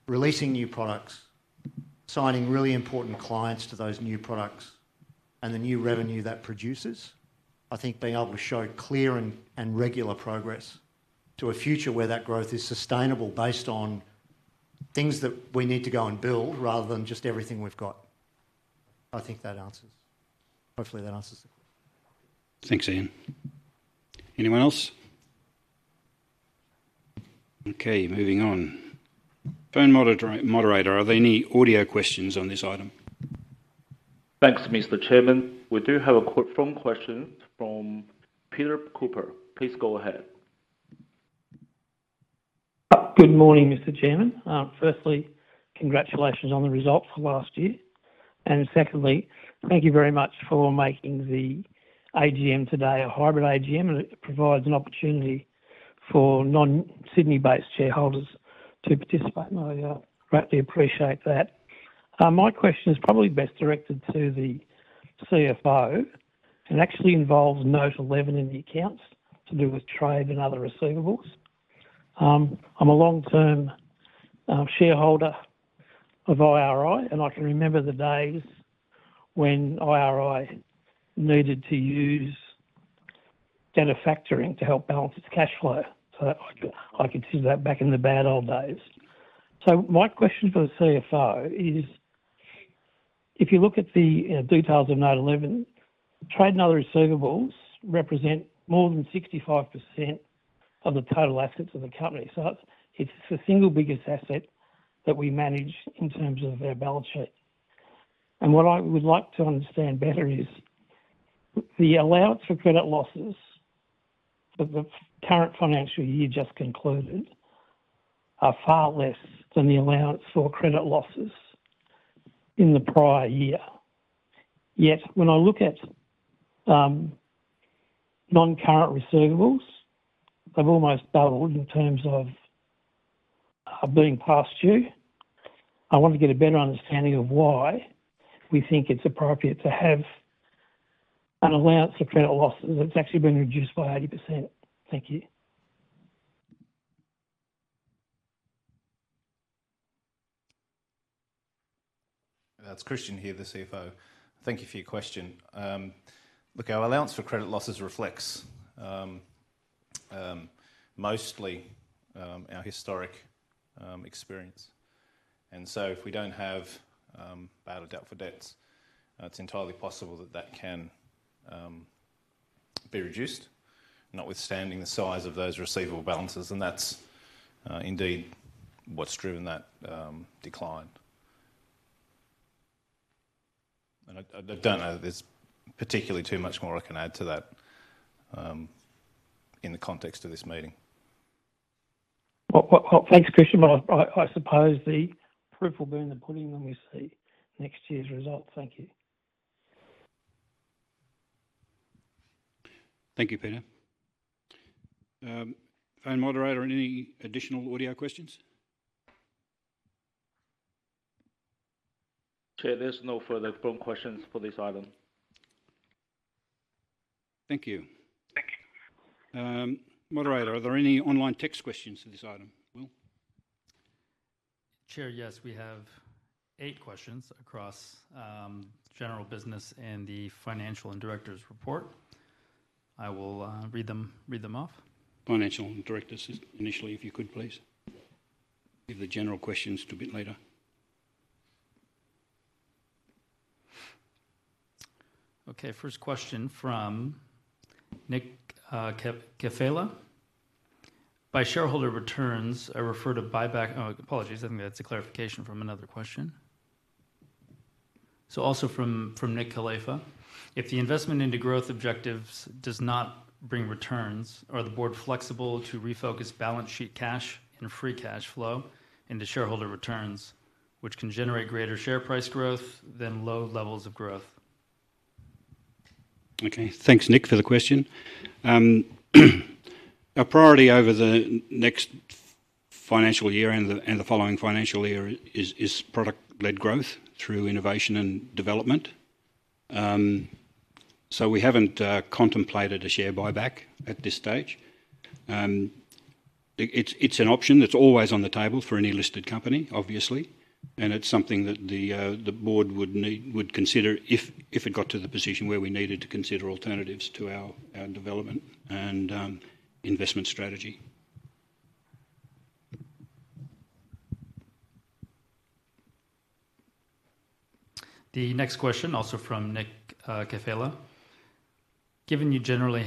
releasing new products, signing really important clients to those new products, and the new revenue that produces. I think being able to show clear and regular progress to a future where that growth is sustainable based on things that we need to go and build rather than just everything we've got. I think that answers, hopefully that answers the question. Thanks, Ian. Anyone else? Okay. Moving on. Phone moderator, are there any audio questions on this item? Thanks, Mr. Chairman. We do have a quick phone question from Peter Cooper. Please go ahead. Good morning, Mr. Chairman. Firstly, congratulations on the results for last year. And secondly, thank you very much for making the AGM today a hybrid AGM. And it provides an opportunity for non-Sydney-based shareholders to participate. And I greatly appreciate that. My question is probably best directed to the CFO and actually involves Note 11 in the accounts to do with trade and other receivables. I'm a long-term shareholder of IRI, and I can remember the days when IRI needed to use debt factoring to help balance its cash flow. So I consider that back in the bad old days. So my question for the CFO is, if you look at the details of Note 11, trade and other receivables represent more than 65% of the total assets of the company. So it's the single biggest asset that we manage in terms of our balance sheet. What I would like to understand better is the allowance for credit losses for the current financial year just concluded are far less than the allowance for credit losses in the prior year. Yet when I look at non-current receivables, they've almost doubled in terms of being past due. I want to get a better understanding of why we think it's appropriate to have an allowance for credit losses. It's actually been reduced by 80%. Thank you. That's Christian here, the CFO. Thank you for your question. Look, our allowance for credit losses reflects mostly our historic experience. And so if we don't have bad debt provision for debts, it's entirely possible that that can be reduced, notwithstanding the size of those receivable balances. And that's indeed what's driven that decline. And I don't know that there's particularly too much more I can add to that in the context of this meeting. Well, thanks, Christian. I suppose the proof will be in the pudding when we see next year's results. Thank you. Thank you, Peter. Phone moderator, any additional audio questions? Chair, there's no further phone questions for this item. Thank you. Thank you. Moderator, are there any online text questions for this item? Will? Chair, yes, we have eight questions across general business and the financial and directors' report. I will read them off. Financial and directors initially, if you could, please. Give the general questions a bit later. Okay. First question from Nick Kefalas. By shareholder returns, I refer to buyback, apologies, I think that's a clarification from another question. So also from Nick Kefalas. If the investment into growth objectives does not bring returns, are the board flexible to refocus balance sheet cash and free cash flow into shareholder returns, which can generate greater share price growth than low levels of growth? Okay. Thanks, Nick, for the question. Our priority over the next financial year and the following financial year is product-led growth through innovation and development. So we haven't contemplated a share buyback at this stage. It's an option that's always on the table for any listed company, obviously. And it's something that the board would consider if it got to the position where we needed to consider alternatives to our development and investment strategy. The next question, also from Nick Kefalas. Given the generally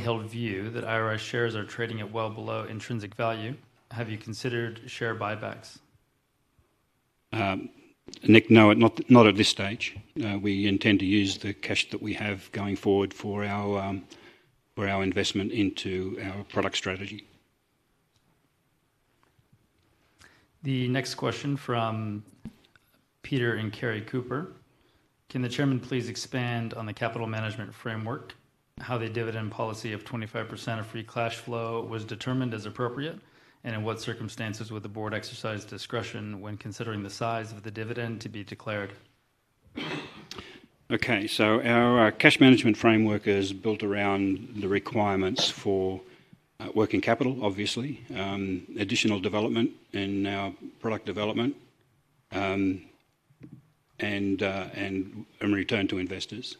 held view that IRI shares are trading at well below intrinsic value, have you considered share buybacks? Nick, no, not at this stage. We intend to use the cash that we have going forward for our investment into our product strategy. The next question from Peter and Kerry Cooper. Can the Chairman please expand on the capital management framework, how the dividend policy of 25% of free cash flow was determined as appropriate, and in what circumstances would the Board exercise discretion when considering the size of the dividend to be declared? Okay, so our cash management framework is built around the requirements for working capital, obviously, additional development in our product development, and return to investors.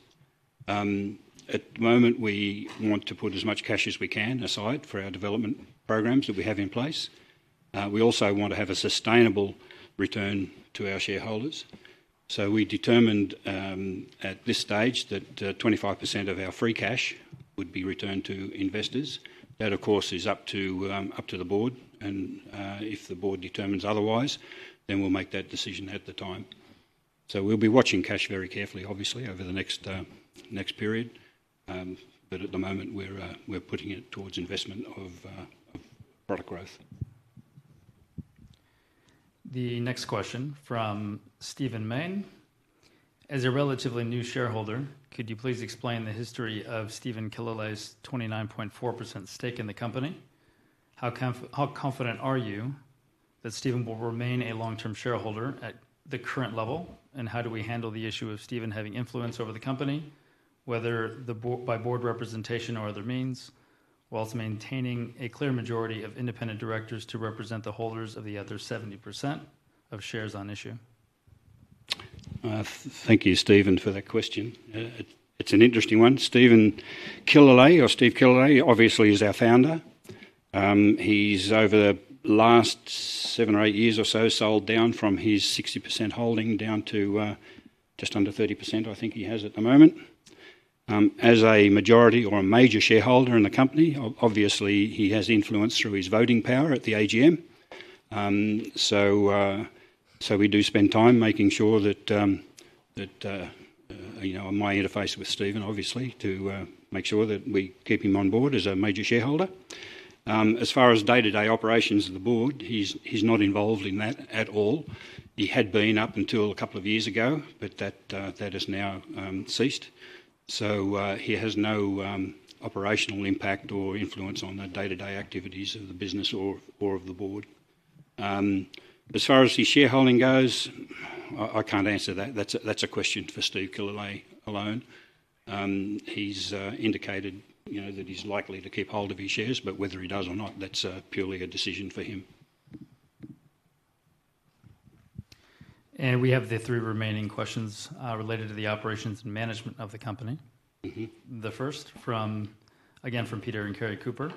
At the moment, we want to put as much cash as we can aside for our development programs that we have in place. We also want to have a sustainable return to our shareholders. So we determined at this stage that 25% of our free cash would be returned to investors. That, of course, is up to the board, and if the board determines otherwise, then we'll make that decision at the time, so we'll be watching cash very carefully, obviously, over the next period, but at the moment, we're putting it towards investment of product growth. The next question from Stephen Mayne. As a relatively new shareholder, could you please explain the history of Steve Killelea's 29.4% stake in the company? How confident are you that Stephen will remain a long-term shareholder at the current level? And how do we handle the issue of Stephen having influence over the company, whether by board representation or other means, while maintaining a clear majority of independent directors to represent the holders of the other 70% of shares on issue? Thank you, Stephen, for that question. It's an interesting one. Steve Killelea obviously is our founder. He's over the last seven or eight years or so sold down from his 60% holding down to just under 30%, I think he has at the moment. As a majority or a major shareholder in the company, obviously, he has influence through his voting power at the AGM. So we do spend time making sure that my interface with Stephen, obviously, to make sure that we keep him on board as a major shareholder. As far as day-to-day operations of the board, he's not involved in that at all. He had been up until a couple of years ago, but that has now ceased. So he has no operational impact or influence on the day-to-day activities of the business or of the board. As far as his shareholding goes, I can't answer that. That's a question for Steve Killelea alone. He's indicated that he's likely to keep hold of his shares, but whether he does or not, that's purely a decision for him. And we have the three remaining questions related to the operations and management of the company. The first, again, from Peter and Kerry Cooper.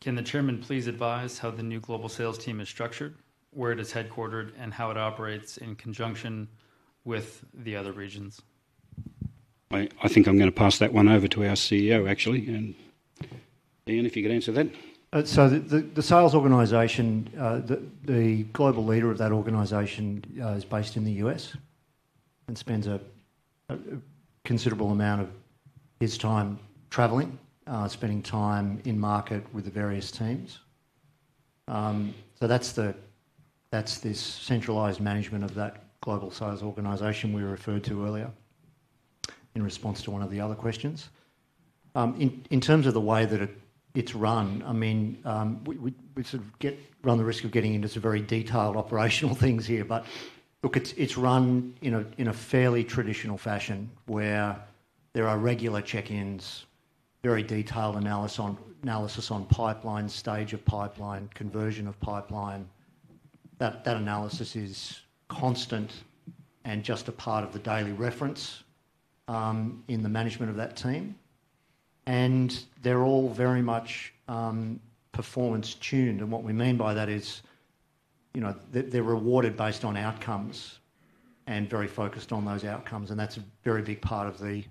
Can the chairman please advise how the new global sales team is structured, where it is headquartered, and how it operates in conjunction with the other regions? I think I'm going to pass that one over to our CEO, actually, and Ian, if you could answer that. So the sales organization, the global leader of that organization is based in the U.S. and spends a considerable amount of his time traveling, spending time in market with the various teams. So that's this centralized management of that global sales organization we referred to earlier in response to one of the other questions. In terms of the way that it's run, I mean, we sort of run the risk of getting into some very detailed operational things here. But look, it's run in a fairly traditional fashion where there are regular check-ins, very detailed analysis on pipeline stage of pipeline, conversion of pipeline. That analysis is constant and just a part of the daily reference in the management of that team. And they're all very much performance-tuned. And what we mean by that is they're rewarded based on outcomes and very focused on those outcomes. and that's a very big part of the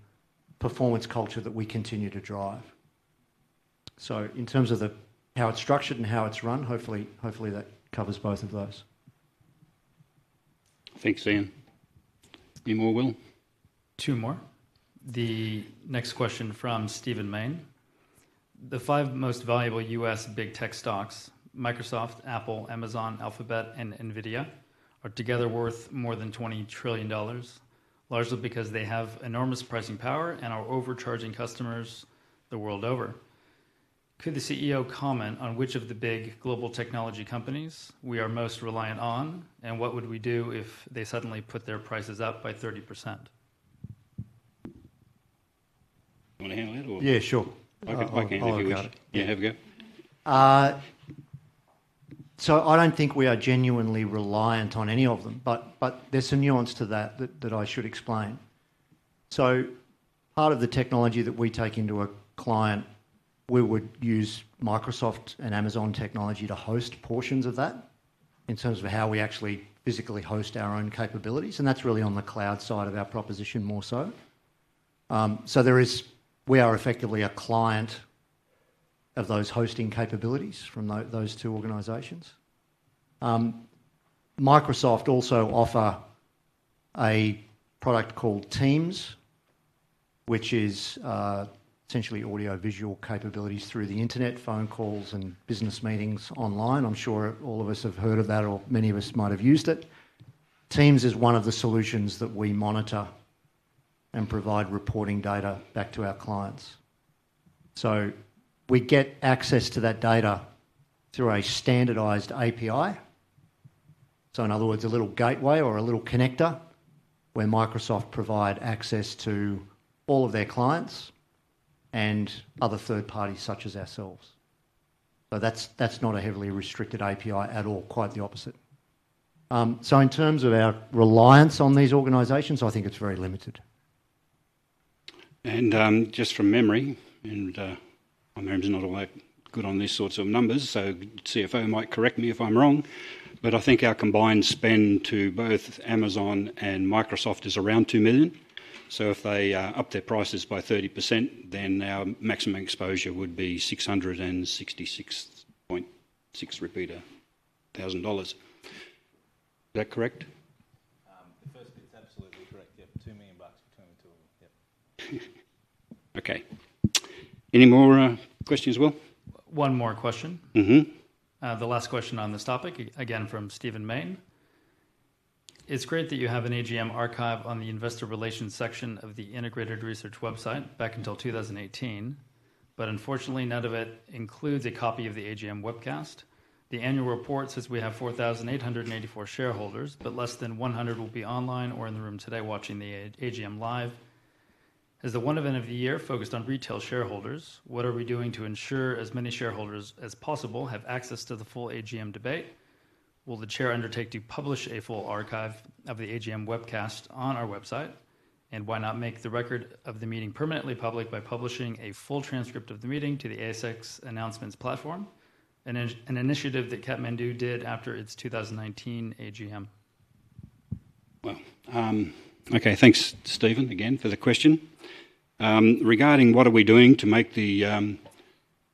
performance culture that we continue to drive. so in terms of how it's structured and how it's run, hopefully, that covers both of those. Thanks, Ian. Any more, Will? Two more. The next question from Stephen Mayne. The five most valuable U.S. big tech stocks, Microsoft, Apple, Amazon, Alphabet, and Nvidia, are together worth more than $20 trillion, largely because they have enormous pricing power and are overcharging customers the world over. Could the CEO comment on which of the big global technology companies we are most reliant on, and what would we do if they suddenly put their prices up by 30%? You want to handle that, or? Yeah, sure. I can handle it. Yeah, have a go. So I don't think we are genuinely reliant on any of them, but there's a nuance to that that I should explain. So part of the technology that we take into a client, we would use Microsoft and Amazon technology to host portions of that in terms of how we actually physically host our own capabilities. And that's really on the cloud side of our proposition more so. So we are effectively a client of those hosting capabilities from those two organizations. Microsoft also offers a product called Teams, which is essentially audio-visual capabilities through the internet, phone calls, and business meetings online. I'm sure all of us have heard of that, or many of us might have used it. Teams is one of the solutions that we monitor and provide reporting data back to our clients. So we get access to that data through a standardized API. So in other words, a little gateway or a little connector where Microsoft provides access to all of their clients and other third parties such as ourselves. So that's not a heavily restricted API at all, quite the opposite. So in terms of our reliance on these organizations, I think it's very limited. Just from memory, and my memory's not all that good on these sorts of numbers, so the CFO might correct me if I'm wrong. I think our combined spend to both Amazon and Microsoft is around $2 million. If they up their prices by 30%, then our maximum exposure would be $666.6 repeating thousand dollars. Is that correct? The first bit's absolutely correct. Yep, AUD 2 million between the two of them. Yep. Okay. Any more questions, Will? One more question. The last question on this topic, again, from Stephen Mayne. It's great that you have an AGM archive on the investor relations section of the Integrated Research website back until 2018, but unfortunately, none of it includes a copy of the AGM webcast. The annual report says we have 4,884 shareholders, but less than 100 will be online or in the room today watching the AGM live. As the one event of the year focused on retail shareholders, what are we doing to ensure as many shareholders as possible have access to the full AGM debate? Will the chair undertake to publish a full archive of the AGM webcast on our website? And why not make the record of the meeting permanently public by publishing a full transcript of the meeting to the ASX announcements platform, an initiative that Kathmandu did after its 2019 AGM? Wow. Okay. Thanks, Stephen, again, for the question. Regarding what are we doing to make the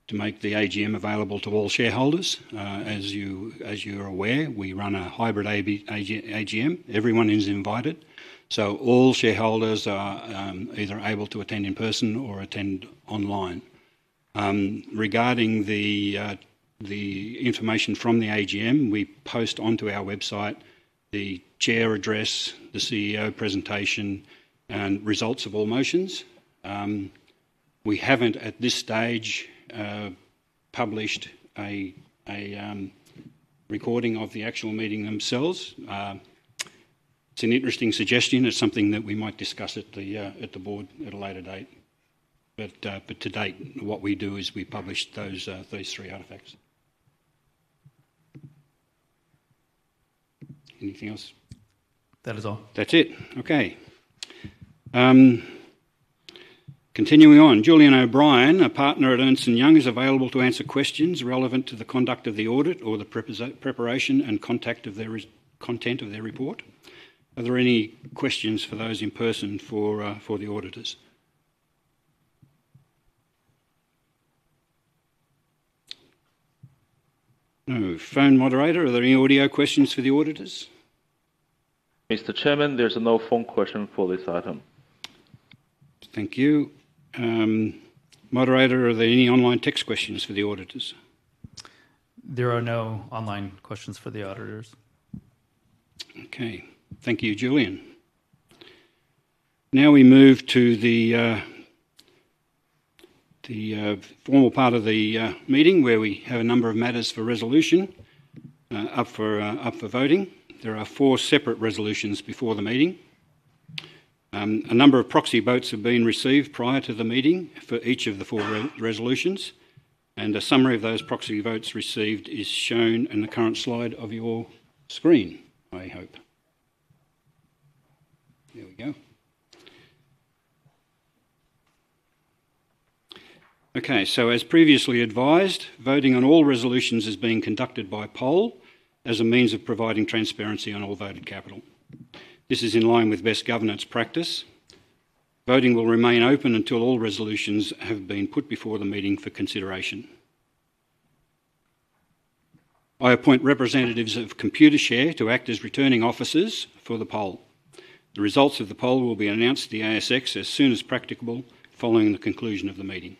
AGM available to all shareholders? As you're aware, we run a hybrid AGM. Everyone is invited. So all shareholders are either able to attend in person or attend online. Regarding the information from the AGM, we post onto our website the chair address, the CEO presentation, and results of all motions. We haven't, at this stage, published a recording of the actual meeting themselves. It's an interesting suggestion. It's something that we might discuss at the board at a later date. But to date, what we do is we publish those three artifacts. Anything else? That is all. That's it. Okay. Continuing on, Julian O'Brien, a partner at Ernst & Young, is available to answer questions relevant to the conduct of the audit or the preparation and content of their report. Are there any questions for those in person for the auditors? Phone moderator, are there any audio questions for the auditors? Mr. Chairman, there's a no-phone question for this item. Thank you. Moderator, are there any online text questions for the auditors? There are no online questions for the auditors. Okay. Thank you, Julian. Now we move to the formal part of the meeting where we have a number of matters for resolution up for voting. There are four separate resolutions before the meeting. A number of proxy votes have been received prior to the meeting for each of the four resolutions. And a summary of those proxy votes received is shown in the current slide of your screen, I hope. There we go. Okay. So as previously advised, voting on all resolutions is being conducted by poll as a means of providing transparency on all voted capital. This is in line with best governance practice. Voting will remain open until all resolutions have been put before the meeting for consideration. I appoint representatives of Computershare to act as returning officers for the poll. The results of the poll will be announced to the ASX as soon as practicable following the conclusion of the meeting.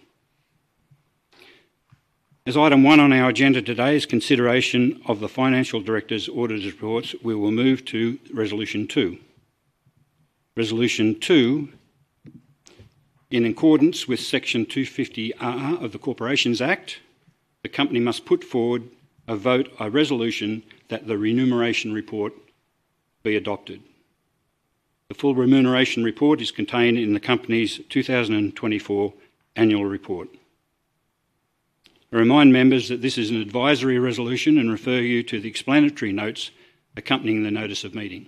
As item one on our agenda today is consideration of the financial, directors' and auditor's reports, we will move to resolution two. Resolution two, in accordance with section 250(a) of the Corporations Act, the company must put forward a vote or resolution that the remuneration report be adopted. The full remuneration report is contained in the company's 2024 annual report. I remind members that this is an advisory resolution and refer you to the explanatory notes accompanying the notice of meeting.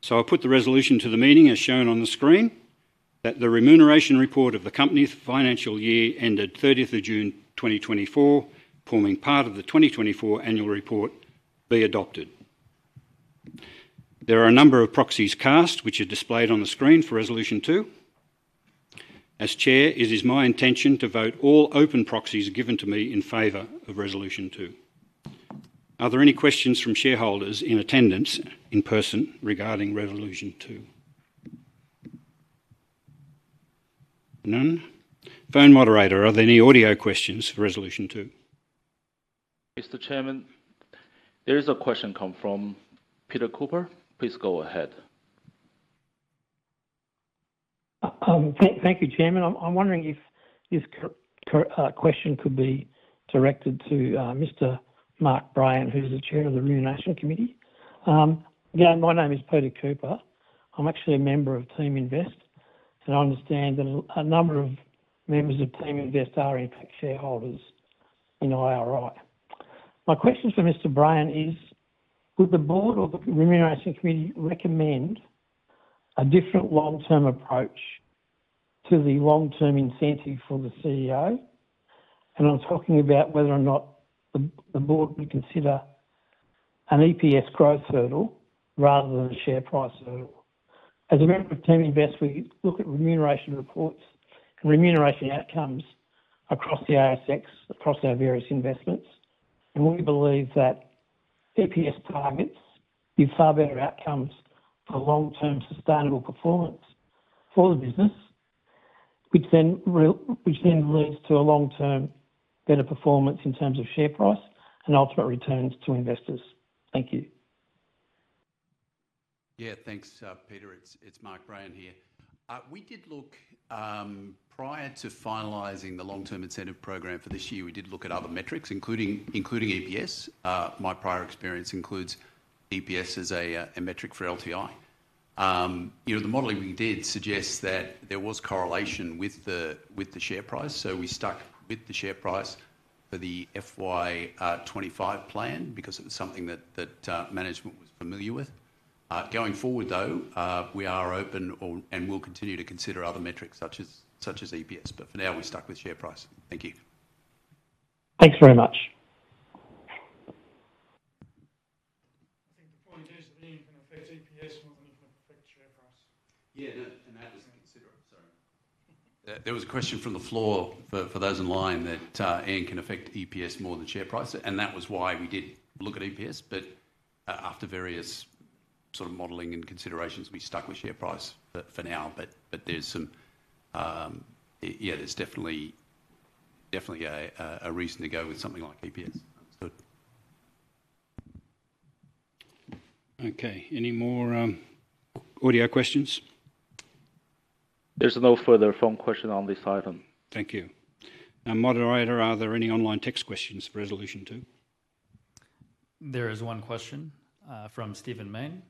So I'll put the resolution to the meeting as shown on the screen: that the remuneration report of the company's financial year ended 30th of June 2024, forming part of the 2024 annual report be adopted. There are a number of proxies cast, which are displayed on the screen for resolution two. As Chair, it is my intention to vote all open proxies given to me in favor of resolution two. Are there any questions from shareholders in attendance in person regarding resolution two? None. Phone moderator, are there any audio questions for resolution two? Mr. Chairman, there is a question from Peter Cooper. Please go ahead. Thank you, Chairman. I'm wondering if this question could be directed to Mr. Mark Brayan, who's the chair of the remuneration committee. Again, my name is Peter Cooper. I'm actually a member of TeamInvest, and I understand that a number of members of TeamInvest are impact shareholders in IRI. My question for Mr. Brayan is, would the board or the remuneration committee recommend a different long-term approach to the long-term incentive for the CEO? And I'm talking about whether or not the board would consider an EPS growth hurdle rather than a share price hurdle. As a member of TeamInvest, we look at remuneration reports and remuneration outcomes across the ASX, across our various investments. We believe that EPS targets give far better outcomes for long-term sustainable performance for the business, which then leads to a long-term better performance in terms of share price and ultimate returns to investors. Thank you. Yeah, thanks, Peter. It's Mark Brayan here. We did look prior to finalizing the long-term incentive program for this year. We did look at other metrics, including EPS. My prior experience includes EPS as a metric for LTI. The modeling we did suggests that there was correlation with the share price. So we stuck with the share price for the FY25 plan because it was something that management was familiar with. Going forward, though, we are open and will continue to consider other metrics such as EPS. But for now, we stuck with share price. Thank you. Thanks very much. I think the point is that Ian can affect EPS more than it can affect share price. Yeah, and that was a consideration. Sorry. There was a question from the floor for those in line that Ian can affect EPS more than share price. And that was why we did look at EPS. But after various sort of modeling and considerations, we stuck with share price. For now, but there's some yeah, there's definitely a reason to go with something like EPS. Understood. Okay. Any more audio questions? There's no further phone question on this item. Thank you. Now, moderator, are there any online text questions for resolution two? There is one question from Stephen Mayne.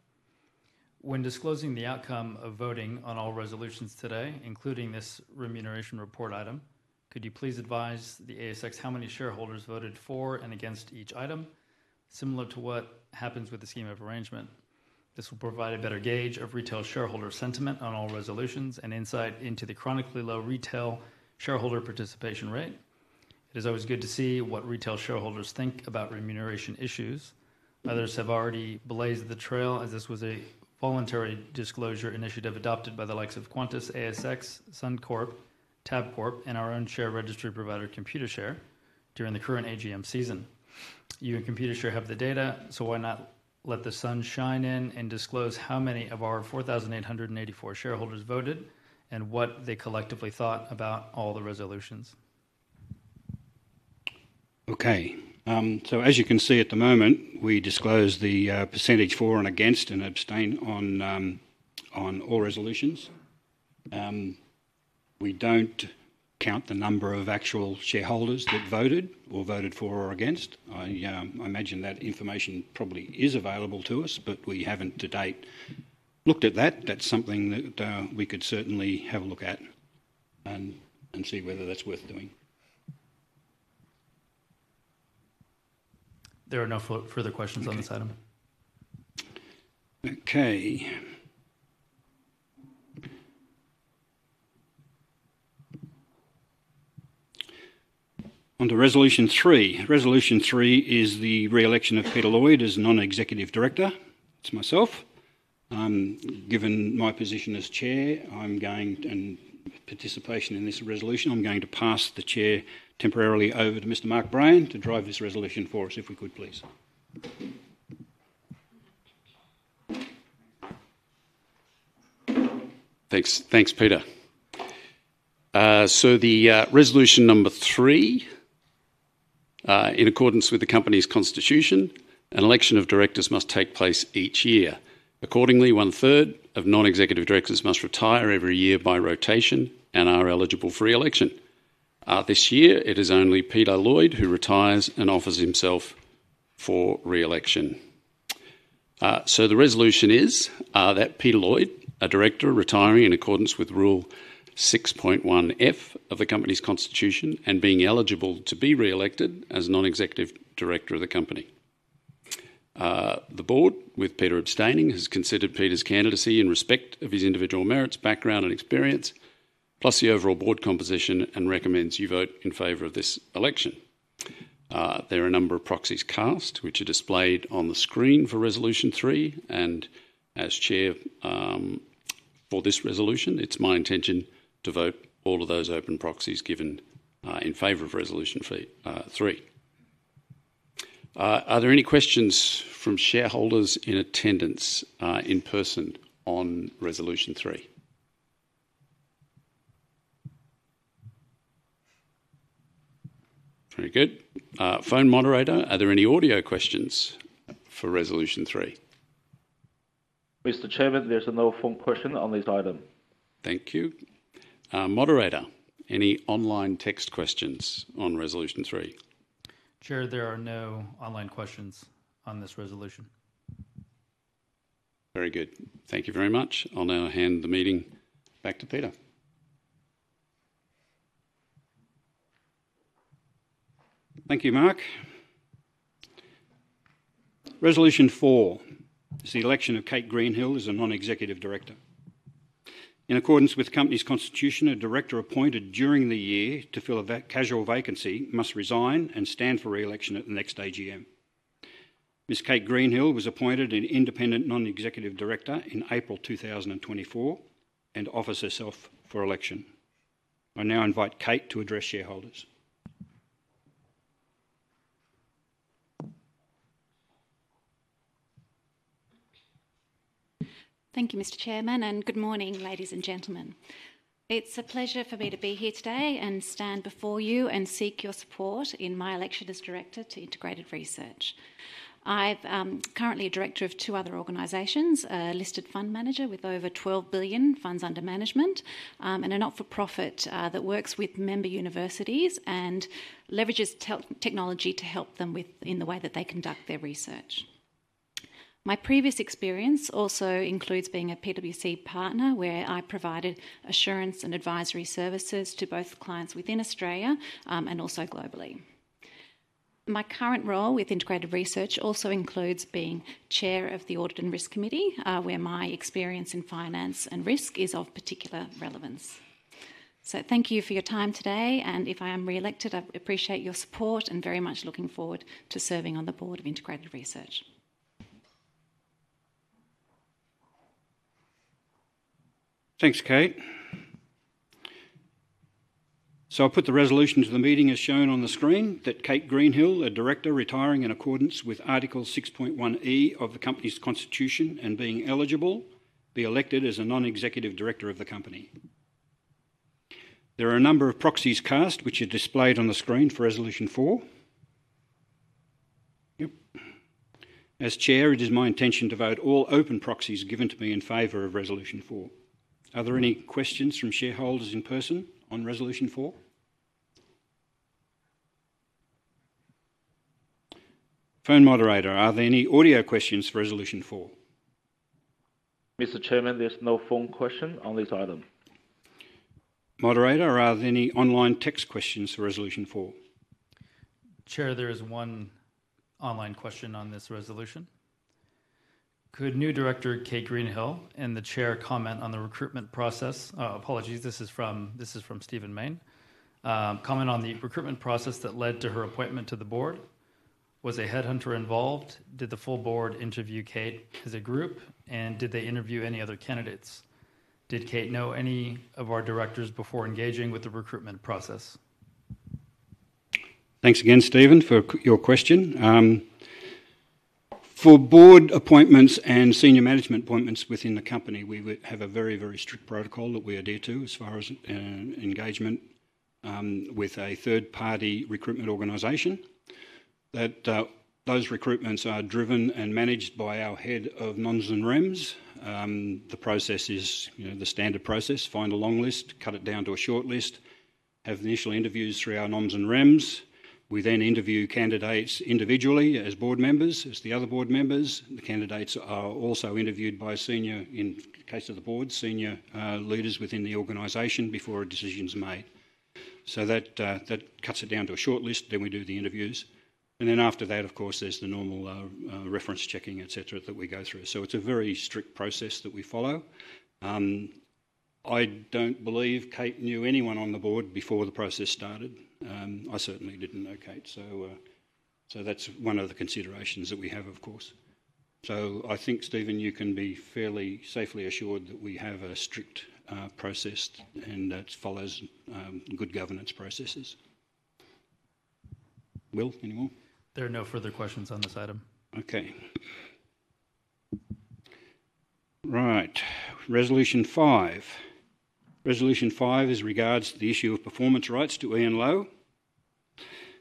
When disclosing the outcome of voting on all resolutions today, including this remuneration report item, could you please advise the ASX how many shareholders voted for and against each item, similar to what happens with the scheme of arrangement? This will provide a better gauge of retail shareholder sentiment on all resolutions and insight into the chronically low retail shareholder participation rate. It is always good to see what retail shareholders think about remuneration issues. Others have already blazed the trail as this was a voluntary disclosure initiative adopted by the likes of Qantas ASX, Suncorp, Tabcorp, and our own share registry provider, Computershare, during the current AGM season. You and Computershare have the data, so why not let the sun shine in and disclose how many of our 4,884 shareholders voted and what they collectively thought about all the resolutions? Okay. So as you can see at the moment, we disclose the percentage for and against and abstain on all resolutions. We don't count the number of actual shareholders that voted or voted for or against. I imagine that information probably is available to us, but we haven't to date looked at that. That's something that we could certainly have a look at and see whether that's worth doing. There are no further questions on this item. Okay. Onto resolution three. Resolution three is the reelection of Peter Lloyd as Non-Executive Director. It's myself. Given my position as Chair and my participation in this resolution, I'm going to pass the chair temporarily over to Mr. Mark Brayan to drive this resolution for us if we could, please. Thanks, Peter. So the resolution number three, in accordance with the company's constitution, an election of directors must take place each year. Accordingly, one-third of non-executive directors must retire every year by rotation and are eligible for reelection. This year, it is only Peter Lloyd who retires and offers himself for reelection. So the resolution is that Peter Lloyd, a director retiring in accordance with rule 6.1F of the company's constitution and being eligible to be reelected as Non-Executive Director of the company. The board, with Peter abstaining, has considered Peter's candidacy in respect of his individual merits, background, and experience, plus the overall board composition, and recommends you vote in favor of this election. There are a number of proxies cast, which are displayed on the screen for resolution three. And as Chair for this resolution, it's my intention to vote all of those open proxies given in favor of resolution three. Are there any questions from shareholders in attendance in person on resolution three? Very good. Phone moderator, are there any audio questions for resolution three? Mr. Chairman, there's a no-phone question on this item. Thank you. Moderator, any online text questions on resolution three? Chair, there are no online questions on this resolution. Very good. Thank you very much. I'll now hand the meeting back to Peter. Thank you, Mark. Resolution four is the election of Kate Greenhill as a non-executive director. In accordance with the company's constitution, a director appointed during the year to fill a casual vacancy must resign and stand for reelection at the next AGM. Ms. Kate Greenhill was appointed an independent non-executive director in April 2024 and offers herself for election. I now invite Kate to address shareholders. Thank you, Mr. Chairman, and good morning, ladies and gentlemen. It's a pleasure for me to be here today and stand before you and seek your support in my election as director to Integrated Research. I'm currently a director of two other organizations, a listed fund manager with over 12 billion funds under management, and a not-for-profit that works with member universities and leverages technology to help them in the way that they conduct their research. My previous experience also includes being a PwC partner where I provided assurance and advisory services to both clients within Australia and also globally. My current role with Integrated Research also includes being Chair of the Audit and Risk Committee, where my experience in finance and risk is of particular relevance. So thank you for your time today. If I am reelected, I appreciate your support and very much look forward to serving on the board of Integrated Research. Thanks, Kate. So I'll put the resolution to the meeting as shown on the screen: that Kate Greenhill, a director retiring in accordance with article 6.1E of the company's constitution and being eligible, be elected as a non-executive director of the company. There are a number of proxies cast, which are displayed on the screen for resolution four. As chair, it is my intention to vote all open proxies given to me in favor of resolution four. Are there any questions from shareholders in person on resolution four? Phone moderator, are there any audio questions for resolution four? Mr. Chairman, there's no phone question on this item. Moderator, are there any online text questions for resolution four? Chair, there is one online question on this resolution. Could new director Kate Greenhill and the chair comment on the recruitment process? Apologies, this is from Stephen Mayne. Comment on the recruitment process that led to her appointment to the board. Was a headhunter involved? Did the full board interview Kate as a group? And did they interview any other candidates? Did Kate know any of our directors before engaging with the recruitment process? Thanks again, Stephen, for your question. For board appointments and senior management appointments within the company, we have a very, very strict protocol that we adhere to as far as engagement with a third-party recruitment organization. Those recruitments are driven and managed by our head of Noms and Rems. The process is the standard process: find a long list, cut it down to a short list, have initial interviews through our Noms and Rems. We then interview candidates individually as board members, as the other board members. The candidates are also interviewed by a senior, in the case of the board, senior leaders within the organization before a decision's made, so that cuts it down to a short list. Then we do the interviews, and then after that, of course, there's the normal reference checking, etc., that we go through, so it's a very strict process that we follow. I don't believe Kate knew anyone on the board before the process started. I certainly didn't know Kate. So that's one of the considerations that we have, of course. So I think, Stephen, you can be fairly safely assured that we have a strict process and that follows good governance processes. Will, any more? There are no further questions on this item. Okay. Right. Resolution five. Resolution five is regards to the issue of performance rights to Ian Lowe.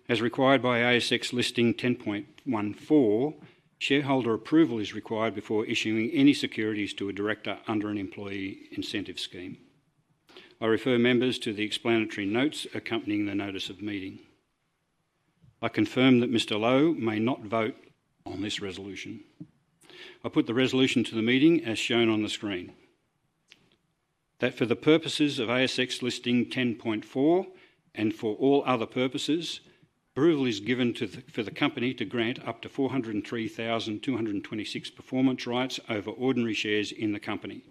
As required by ASX listing 10.14, shareholder approval is required before issuing any securities to a director under an employee incentive scheme. I refer members to the explanatory notes accompanying the notice of meeting. I confirm that Mr. Lowe may not vote on this resolution. I put the resolution to the meeting as shown on the screen. That for the purposes of ASX listing 10.4 and for all other purposes, approval is given for the company to grant up to 403,226 performance rights over ordinary shares in the company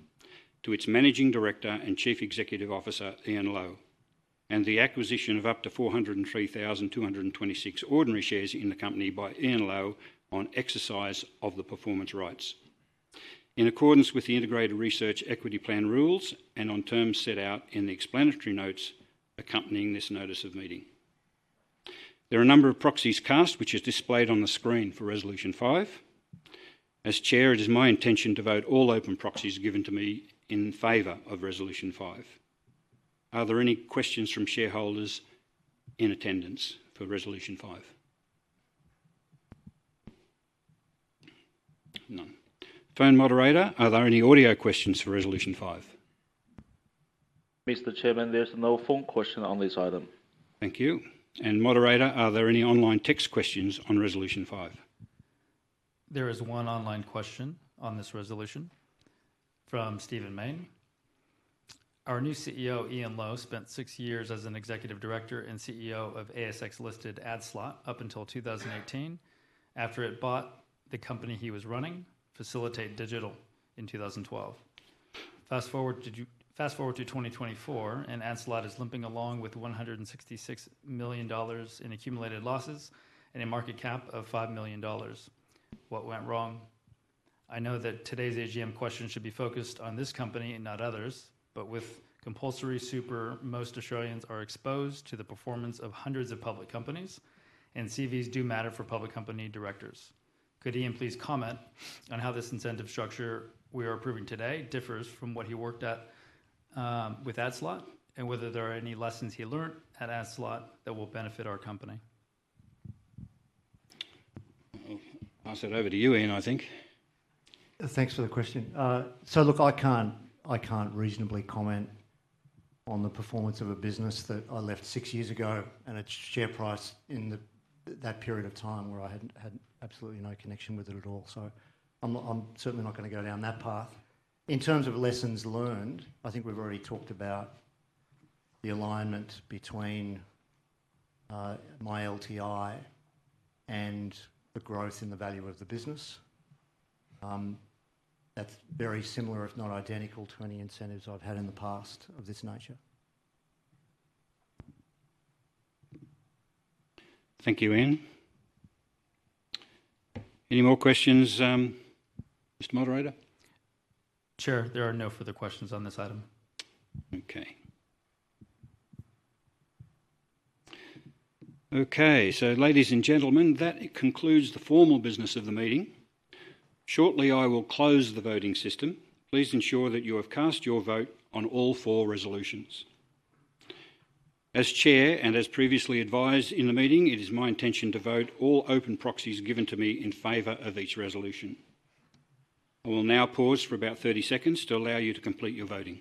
to its Managing Director and Chief Executive Officer, Ian Lowe, and the acquisition of up to 403,226 ordinary shares in the company by Ian Lowe on exercise of the performance rights in accordance with the Integrated Research equity plan rules and on terms set out in the explanatory notes accompanying this notice of meeting. There are a number of proxies cast, which is displayed on the screen for resolution five. As chair, it is my intention to vote all open proxies given to me in favor of resolution five. Are there any questions from shareholders in attendance for resolution five? None. Phone moderator, are there any audio questions for resolution five? Mr. Chairman, there's no phone question on this item. Thank you. And moderator, are there any online text questions on resolution five? There is one online question on this resolution from Stephen Mayne. Our new CEO, Ian Lowe, spent six years as an executive director and CEO of ASX-listed Adslot up until 2018 after it bought the company he was running, Facilitate Digital, in 2012. Fast forward to 2024, and Adslot is limping along with 166 million dollars in accumulated losses and a market cap of 5 million dollars. What went wrong? I know that today's AGM question should be focused on this company and not others, but with compulsory super, most Australians are exposed to the performance of hundreds of public companies, and CVs do matter for public company directors. Could Ian please comment on how this incentive structure we are approving today differs from what he worked at with Adslot and whether there are any lessons he learned at Adslot that will benefit our company? Pass it over to you, Ian, I think. Thanks for the question. So look, I can't reasonably comment on the performance of a business that I left six years ago and its share price in that period of time where I had absolutely no connection with it at all. So I'm certainly not going to go down that path. In terms of lessons learned, I think we've already talked about the alignment between my LTI and the growth in the value of the business. That's very similar, if not identical, to any incentives I've had in the past of this nature. Thank you, Ian. Any more questions, Mr. Moderator? Chair, there are no further questions on this item. Okay. Okay. So, ladies and gentlemen, that concludes the formal business of the meeting. Shortly, I will close the voting system. Please ensure that you have cast your vote on all four resolutions. As chair and as previously advised in the meeting, it is my intention to vote all open proxies given to me in favor of each resolution. I will now pause for about 30 seconds to allow you to complete your voting.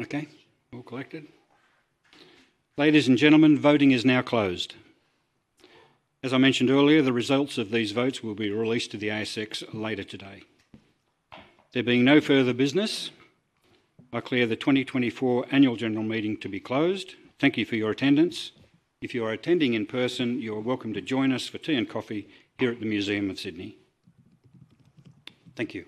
Okay. All collected. Ladies and gentlemen, voting is now closed. As I mentioned earlier, the results of these votes will be released to the ASX later today. There being no further business, I declare the 2024 annual general meeting to be closed. Thank you for your attendance. If you are attending in person, you are welcome to join us for tea and coffee here at the Museum of Sydney. Thank you.